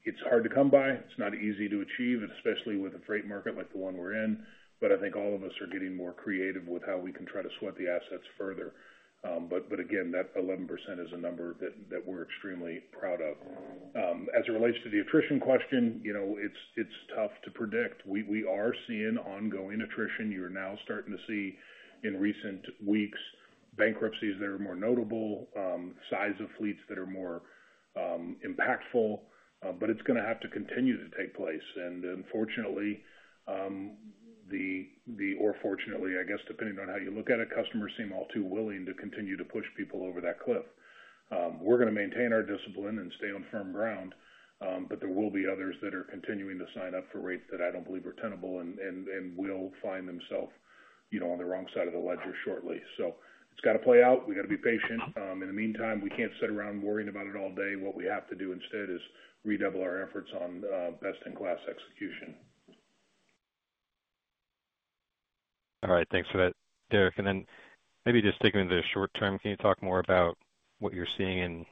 it's hard to come by. It's not easy to achieve, and especially with a freight market like the one we're in, but I think all of us are getting more creative with how we can try to sweat the assets further. But, but again, that 11% is a number that, that we're extremely proud of. As it relates to the attrition question, you know, it's, it's tough to predict. We, we are seeing ongoing attrition. You're now starting to see, in recent weeks, bankruptcies that are more notable, size of fleets that are more, impactful, but it's gonna have to continue to take place. And unfortunately, the, the... or fortunately, I guess, depending on how you look at it, customers seem all too willing to continue to push people over that cliff. We're gonna maintain our discipline and stay on firm ground, but there will be others that are continuing to sign up for rates that I don't believe are tenable and, and, and will find themselves, you know, on the wrong side of the ledger shortly. So it's gotta play out. We gotta be patient. In the meantime, we can't sit around worrying about it all day. What we have to do instead is redouble our efforts on best-in-class execution. All right. Thanks for that, Derek. And then maybe just sticking to the short term, can you talk more about what you're seeing in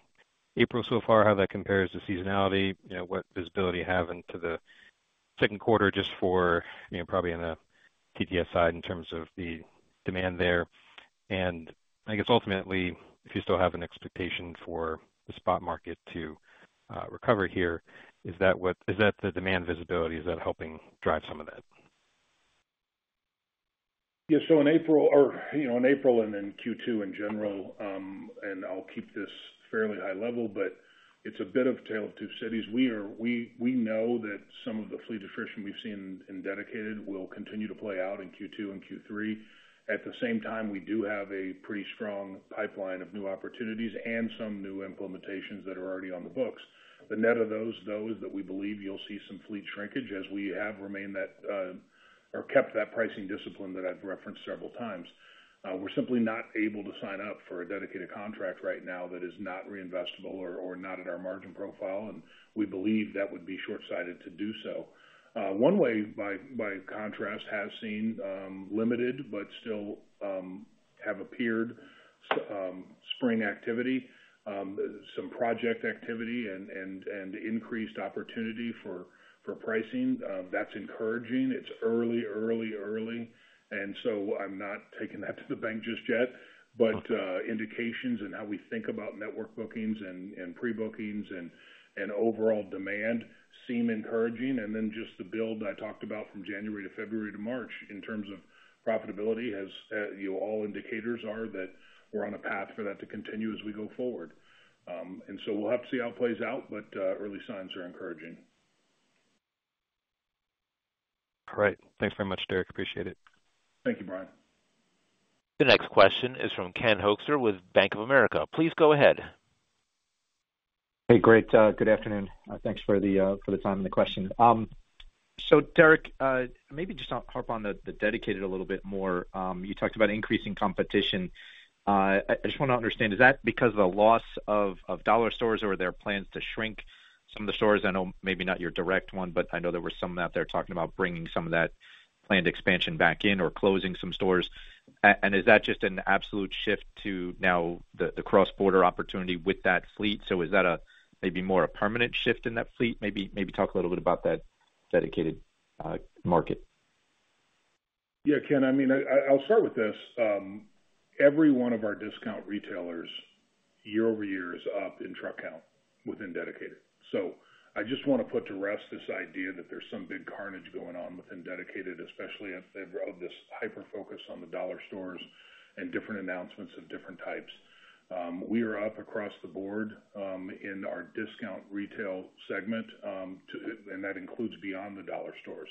April so far, how that compares to seasonality, you know, what visibility you have into the Q2, just for, you know, probably on the TTS side, in terms of the demand there? And I guess ultimately, if you still have an expectation for the spot market to recover here, is that the demand visibility, is that helping drive some of that? Yeah. So in April, you know, in April and in Q2 in general, and I'll keep this fairly high level, but it's a bit of a tale of two cities. We are – we know that some of the fleet attrition we've seen in Dedicated will continue to play out in Q2 and Q3. At the same time, we do have a pretty strong pipeline of new opportunities and some new implementations that are already on the books. The net of those, though, is that we believe you'll see some fleet shrinkage as we have remained that, or kept that pricing discipline that I've referenced several times. We're simply not able to sign up for a dedicated contract right now that is not reinvestable or not in our margin profile, and we believe that would be shortsighted to do so. One-Way, by contrast, has seen limited but still have appeared spring activity, some project activity and increased opportunity for pricing. That's encouraging. It's early, early, early, and so I'm not taking that to the bank just yet. But indications and how we think about network bookings and pre-bookings and overall demand seem encouraging. And then just the build I talked about from January to February to March in terms of profitability, as you know, all indicators are that we're on a path for that to continue as we go forward. And so we'll have to see how it plays out, but early signs are encouraging. All right. Thanks very much, Derek. Appreciate it. Thank you, Brian. The next question is from Ken Hoexter with Bank of America. Please go ahead. Hey, great, good afternoon. Thanks for the time and the question. So Derek, maybe just harp on the dedicated a little bit more. You talked about increasing competition. I just want to understand, is that because of the loss of dollar stores, or are there plans to shrink some of the stores? I know maybe not your direct one, but I know there were some out there talking about bringing some of that planned expansion back in or closing some stores. And is that just an absolute shift to now the cross-border opportunity with that fleet? So is that maybe more a permanent shift in that fleet? Maybe talk a little bit about that dedicated market. Yeah, Ken, I mean, I'll start with this. Every one of our discount retailers, year-over-year, is up in truck count within Dedicated. So I just want to put to rest this idea that there's some big carnage going on within Dedicated, especially at the... of this hyper-focus on the dollar stores and different announcements of different types. We are up across the board, in our discount retail segment, and that includes beyond the dollar stores.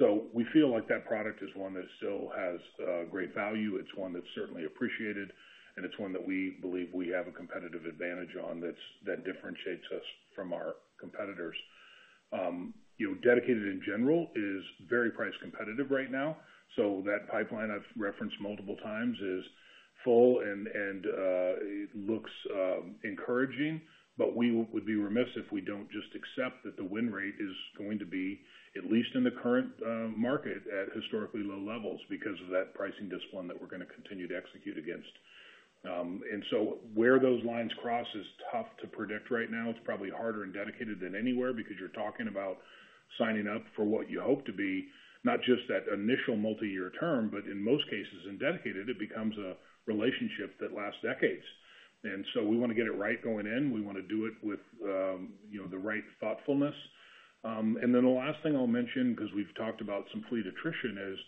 So we feel like that product is one that still has great value. It's one that's certainly appreciated, and it's one that we believe we have a competitive advantage on, that differentiates us from our competitors. You know, Dedicated, in general, is very price competitive right now. So that pipeline I've referenced multiple times is full and it looks encouraging, but we would be remiss if we don't just accept that the win rate is going to be, at least in the current market, at historically low levels because of that pricing discipline that we're going to continue to execute against. And so where those lines cross is tough to predict right now. It's probably harder in dedicated than anywhere because you're talking about signing up for what you hope to be, not just that initial multiyear term, but in most cases, in dedicated, it becomes a relationship that lasts decades. And so we want to get it right going in. We want to do it with, you know, the right thoughtfulness. And then the last thing I'll mention, because we've talked about some fleet attrition, is,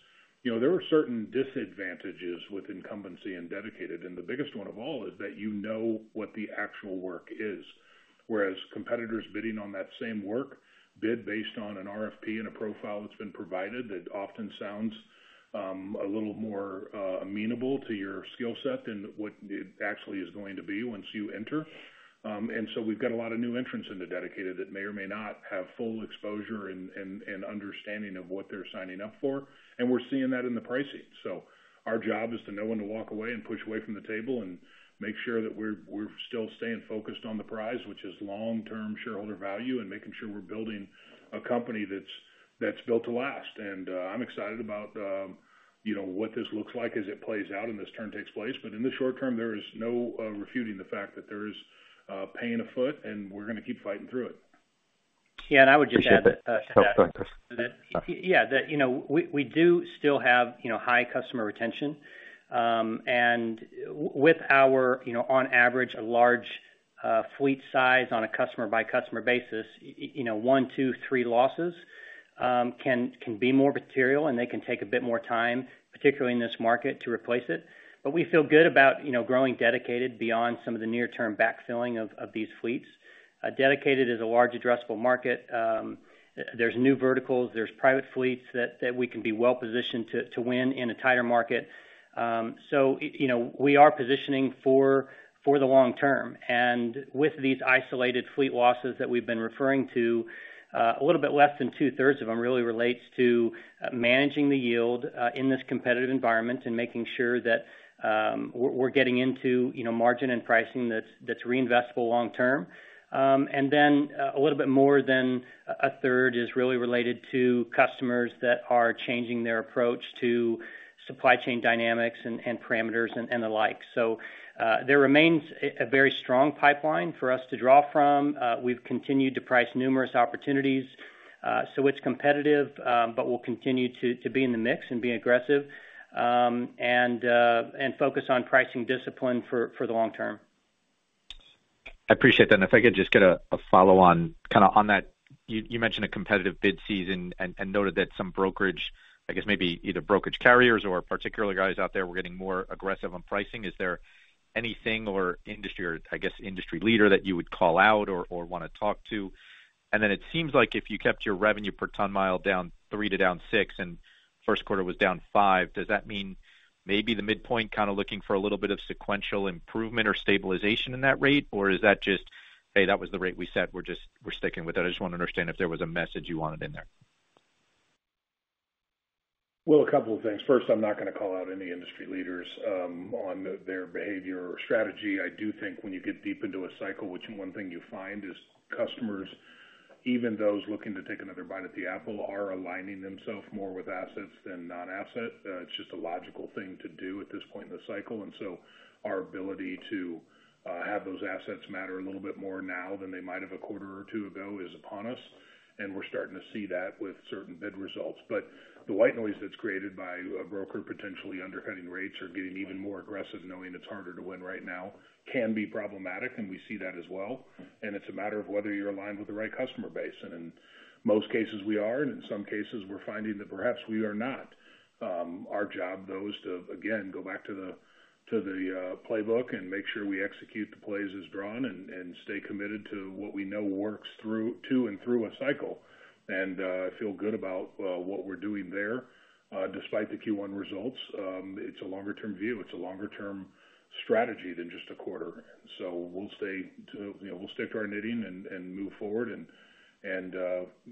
you know, there are certain disadvantages with incumbency and dedicated, and the biggest one of all is that you know what the actual work is, whereas competitors bidding on that same work bid based on an RFP and a profile that's been provided, that often sounds a little more amenable to your skill set than what it actually is going to be once you enter. And so we've got a lot of new entrants into dedicated that may or may not have full exposure and understanding of what they're signing up for, and we're seeing that in the pricing. So our job is to know when to walk away and push away from the table and make sure that we're, we're still staying focused on the prize, which is long-term shareholder value, and making sure we're building a company that's, that's built to last. And, I'm excited about, you know, what this looks like as it plays out and this turn takes place. But in the short term, there is no refuting the fact that there is pain afoot, and we're going to keep fighting through it. Yeah, and I would just add to that- Appreciate that. Yeah, that, you know, we do still have, you know, high customer retention. With our, you know, on average, a large fleet size on a customer-by-customer basis, you know, one, two, three losses can be more material, and they can take a bit more time, particularly in this market, to replace it. But we feel good about, you know, growing Dedicated beyond some of the near-term backfilling of these fleets. Dedicated is a large addressable market. There's new verticals, there's private fleets that we can be well positioned to win in a tighter market. So, you know, we are positioning for the long term. And with these isolated fleet losses that we've been referring to, a little bit less than two-thirds of them really relates to managing the yield in this competitive environment and making sure that we're getting into, you know, margin and pricing that's reinvestable long term. And then, a little bit more than a third is really related to customers that are changing their approach to supply chain dynamics and parameters and the like. So, there remains a very strong pipeline for us to draw from. We've continued to price numerous opportunities. So it's competitive, but we'll continue to be in the mix and be aggressive, and focus on pricing discipline for the long term. I appreciate that. If I could just get a follow-on, kind of on that, you mentioned a competitive bid season and noted that some brokerage, I guess maybe either brokerage carriers or particularly guys out there, were getting more aggressive on pricing. Is there anything or industry or, I guess, industry leader that you would call out or want to talk to? And then it seems like if you kept your revenue per ton mile down 3 to down 6, and Q1 was down 5, does that mean maybe the midpoint, kind of looking for a little bit of sequential improvement or stabilization in that rate? Or is that just, "Hey, that was the rate we set, we're just, we're sticking with it?" I just want to understand if there was a message you wanted in there. Well, a couple of things. First, I'm not going to call out any industry leaders on their behavior or strategy. I do think when you get deep into a cycle, which one thing you find is customers, even those looking to take another bite at the apple, are aligning themselves more with assets than non-asset. It's just a logical thing to do at this point in the cycle, and so our ability to have those assets matter a little bit more now than they might have a quarter or two ago, is upon us, and we're starting to see that with certain bid results. But the white noise that's created by a broker potentially undercutting rates or getting even more aggressive, knowing it's harder to win right now, can be problematic, and we see that as well. And it's a matter of whether you're aligned with the right customer base, and in most cases, we are, and in some cases, we're finding that perhaps we are not. Our job, though, is to, again, go back to the playbook and make sure we execute the plays as drawn and stay committed to what we know works through to and through a cycle. And I feel good about what we're doing there. Despite the Q1 results, it's a longer-term view. It's a longer-term strategy than just a quarter. So we'll stick to our knitting and move forward. And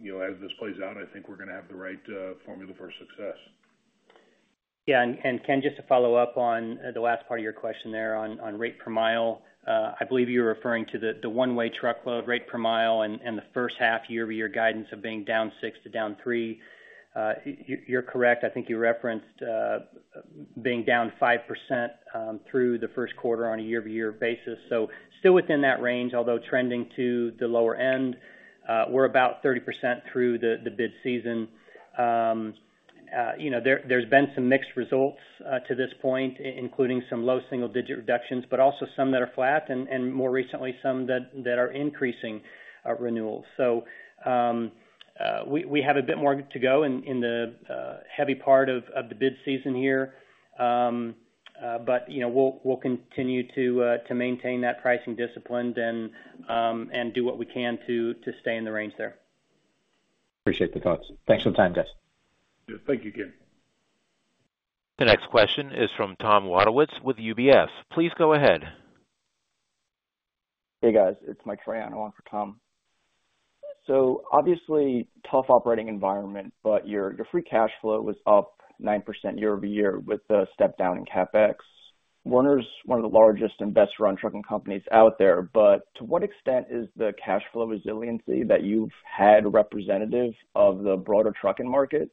you know, as this plays out, I think we're going to have the right formula for success. Yeah. And Ken, just to follow up on the last part of your question there on rate per mile. I believe you were referring to the one-way truckload rate per mile and the first half year-over-year guidance of being down 6 to down 3. You're correct. I think you referenced being down 5% through the Q1 on a year-over-year basis. So still within that range, although trending to the lower end. We're about 30% through the bid season. You know, there's been some mixed results to this point, including some low single digit reductions, but also some that are flat, and more recently, some that are increasing renewals. We have a bit more to go in the heavy part of the bid season here. You know, we'll continue to maintain that pricing discipline and do what we can to stay in the range there. Appreciate the thoughts. Thanks for the time, guys. Thank you, Ken. The next question is from Tom Wadowitz with UBS. Please go ahead. Hey, guys. It's Mike Ryan on for Tom. So obviously, tough operating environment, but your free cash flow was up 9% year-over-year with the step down in CapEx. Werner's one of the largest and best run trucking companies out there, but to what extent is the cash flow resiliency that you've had representative of the broader trucking market?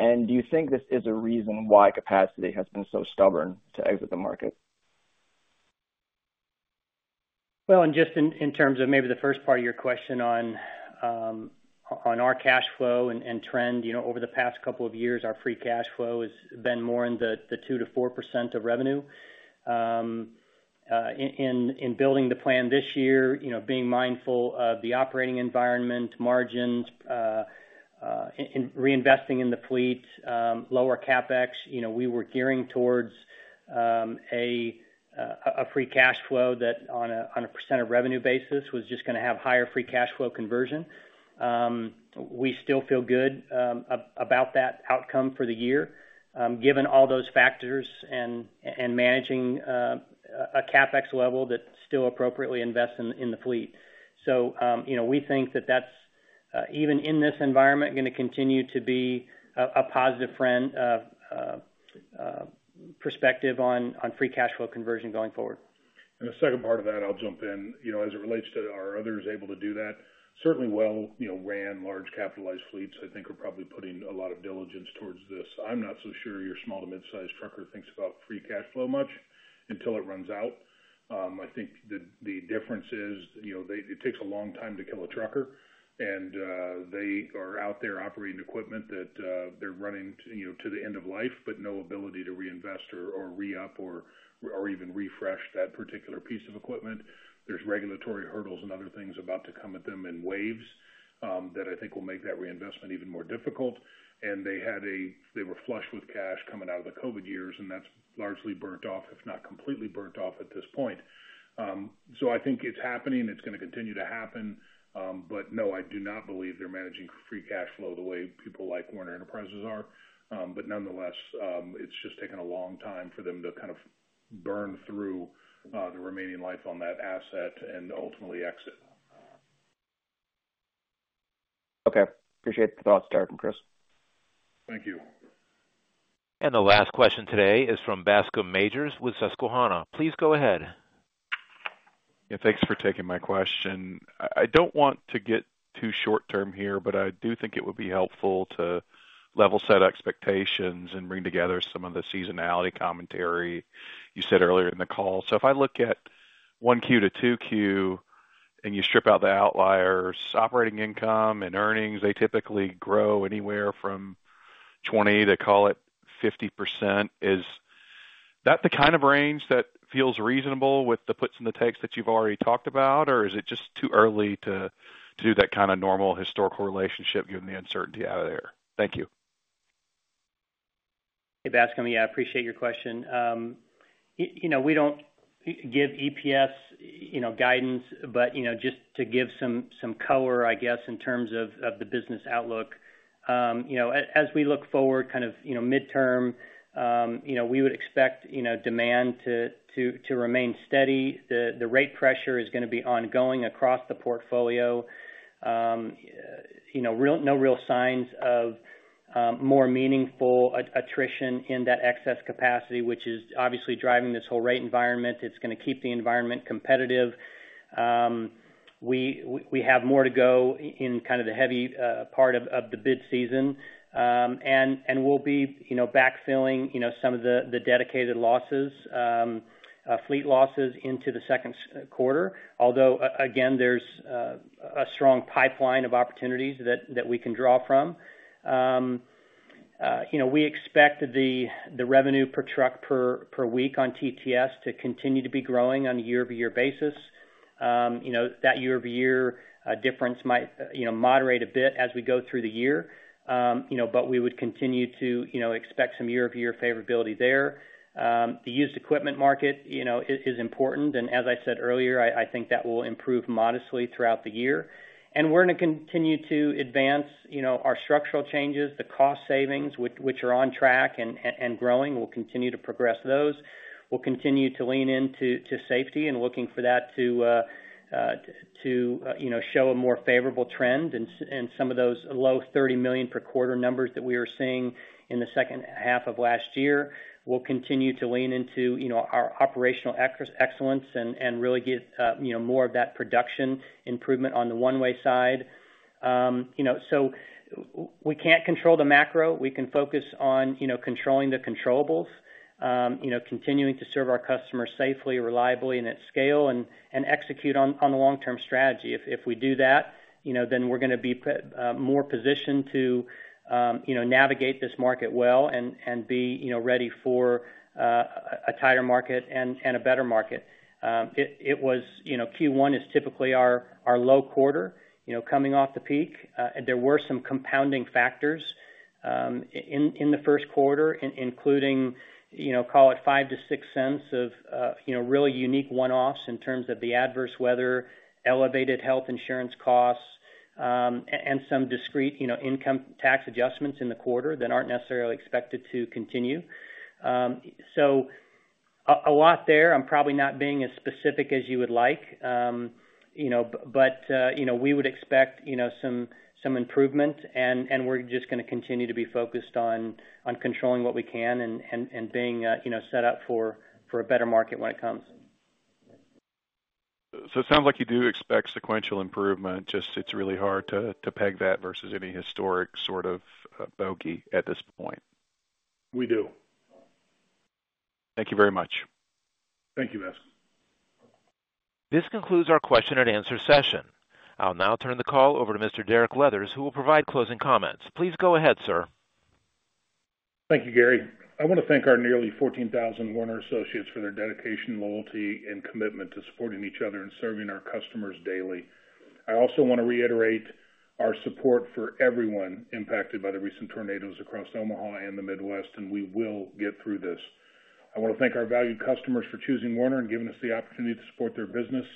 And do you think this is a reason why capacity has been so stubborn to exit the market? Well, and just in terms of maybe the first part of your question on our cash flow and trend, you know, over the past couple of years, our free cash flow has been more in the 2%-4% of revenue. In building the plan this year, you know, being mindful of the operating environment, margins, in reinvesting in the fleet, lower CapEx, you know, we were gearing towards a free cash flow that on a percent of revenue basis was just going to have higher free cash flow conversion. We still feel good about that outcome for the year, given all those factors and managing a CapEx level that still appropriately invests in the fleet. So, you know, we think that that's even in this environment going to continue to be a positive trend perspective on free cash flow conversion going forward. The second part of that, I'll jump in. You know, as it relates to are others able to do that? Certainly, well, you know, ran large capitalized fleets, I think are probably putting a lot of diligence towards this. I'm not so sure your small to mid-sized trucker thinks about Free Cash Flow much until it runs out. I think the difference is, you know, they, it takes a long time to kill a trucker, and, they are out there operating equipment that, they're running, you know, to the end of life, but no ability to reinvest or, or re-up or, or even refresh that particular piece of equipment. There's regulatory hurdles and other things about to come at them in waves, that I think will make that reinvestment even more difficult. And they had a... They were flush with cash coming out of the COVID years, and that's largely burnt off, if not completely burnt off at this point. So I think it's happening. It's going to continue to happen. But no, I do not believe they're managing free cash flow the way people like Werner Enterprises are. But nonetheless, it's just taken a long time for them to kind of burn through the remaining life on that asset and ultimately exit. Okay. Appreciate the thoughts, Derek and Chris. Thank you. The last question today is from Bascome Majors with Susquehanna. Please go ahead. Yeah, thanks for taking my question. I, I don't want to get too short term here, but I do think it would be helpful to level set expectations and bring together some of the seasonality commentary you said earlier in the call. So if I look at 1Q to 2Q, and you strip out the outliers, operating income and earnings, they typically grow anywhere from 20%-50%. Is that the kind of range that feels reasonable with the puts and the takes that you've already talked about, or is it just too early to, to do that kind of normal historical relationship, given the uncertainty out of there? Thank you. Hey, Bascome. Yeah, I appreciate your question. You know, we don't give EPS guidance, but you know, just to give some color, I guess, in terms of the business outlook, you know, as we look forward, kind of, you know, midterm, you know, we would expect, you know, demand to remain steady. The rate pressure is going to be ongoing across the portfolio. You know, no real signs of more meaningful attrition in that excess capacity, which is obviously driving this whole rate environment. It's going to keep the environment competitive. We have more to go in kind of the heavy part of the bid season. And we'll be, you know, backfilling, you know, some of the Dedicated losses, fleet losses into the Q2. Although, again, there's a strong pipeline of opportunities that we can draw from. You know, we expect the revenue per truck per week on TTS to continue to be growing on a year-over-year basis. You know, that year-over-year difference might, you know, moderate a bit as we go through the year. You know, but we would continue to, you know, expect some year-over-year favorability there. The used equipment market, you know, is important, and as I said earlier, I think that will improve modestly throughout the year. And we're gonna continue to advance, you know, our structural changes, the cost savings, which are on track and growing. We'll continue to progress those. We'll continue to lean into safety and looking for that to you know show a more favorable trend in some of those low $30 million per quarter numbers that we were seeing in the second half of last year. We'll continue to lean into, you know, our operational excellence and really get you know more of that production improvement on the one-way side. You know, so we can't control the macro. We can focus on, you know, controlling the controllables, you know, continuing to serve our customers safely, reliably, and at scale, and execute on the long-term strategy. If, if we do that, you know, then we're gonna be more positioned to, you know, navigate this market well and, and be, you know, ready for, a tighter market and, and a better market. It was. You know, Q1 is typically our low quarter, you know, coming off the peak. There were some compounding factors in the Q1, including, you know, call it $0.05-$0.06 of, you know, really unique one-offs in terms of the adverse weather, elevated health insurance costs, and some discrete, you know, income tax adjustments in the quarter that aren't necessarily expected to continue. So a lot there. I'm probably not being as specific as you would like, you know, but, you know, we would expect, you know, some improvement, and we're just gonna continue to be focused on controlling what we can and being, you know, set up for a better market when it comes. So it sounds like you do expect sequential improvement, just it's really hard to peg that versus any historic sort of bogey at this point. We do. Thank you very much. Thank you, Bas. This concludes our question and answer session. I'll now turn the call over to Mr. Derek Leathers, who will provide closing comments. Please go ahead, sir. Thank you, Gary. I want to thank our nearly 14,000 Werner associates for their dedication, loyalty, and commitment to supporting each other and serving our customers daily. I also want to reiterate our support for everyone impacted by the recent tornadoes across Omaha and the Midwest, and we will get through this. I want to thank our valued customers for choosing Werner and giving us the opportunity to support their business,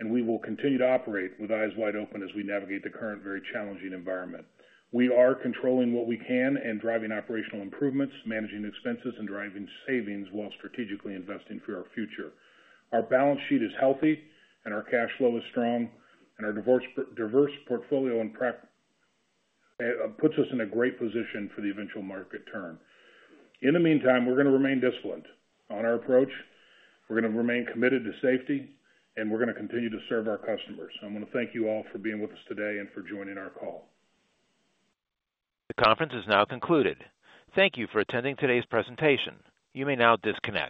and we will continue to operate with eyes wide open as we navigate the current very challenging environment. We are controlling what we can and driving operational improvements, managing expenses, and driving savings while strategically investing for our future. Our balance sheet is healthy, and our cash flow is strong, and our diverse, diverse portfolio and puts us in a great position for the eventual market turn. In the meantime, we're gonna remain disciplined on our approach, we're gonna remain committed to safety, and we're gonna continue to serve our customers. So I want to thank you all for being with us today and for joining our call. The conference is now concluded. Thank you for attending today's presentation. You may now disconnect.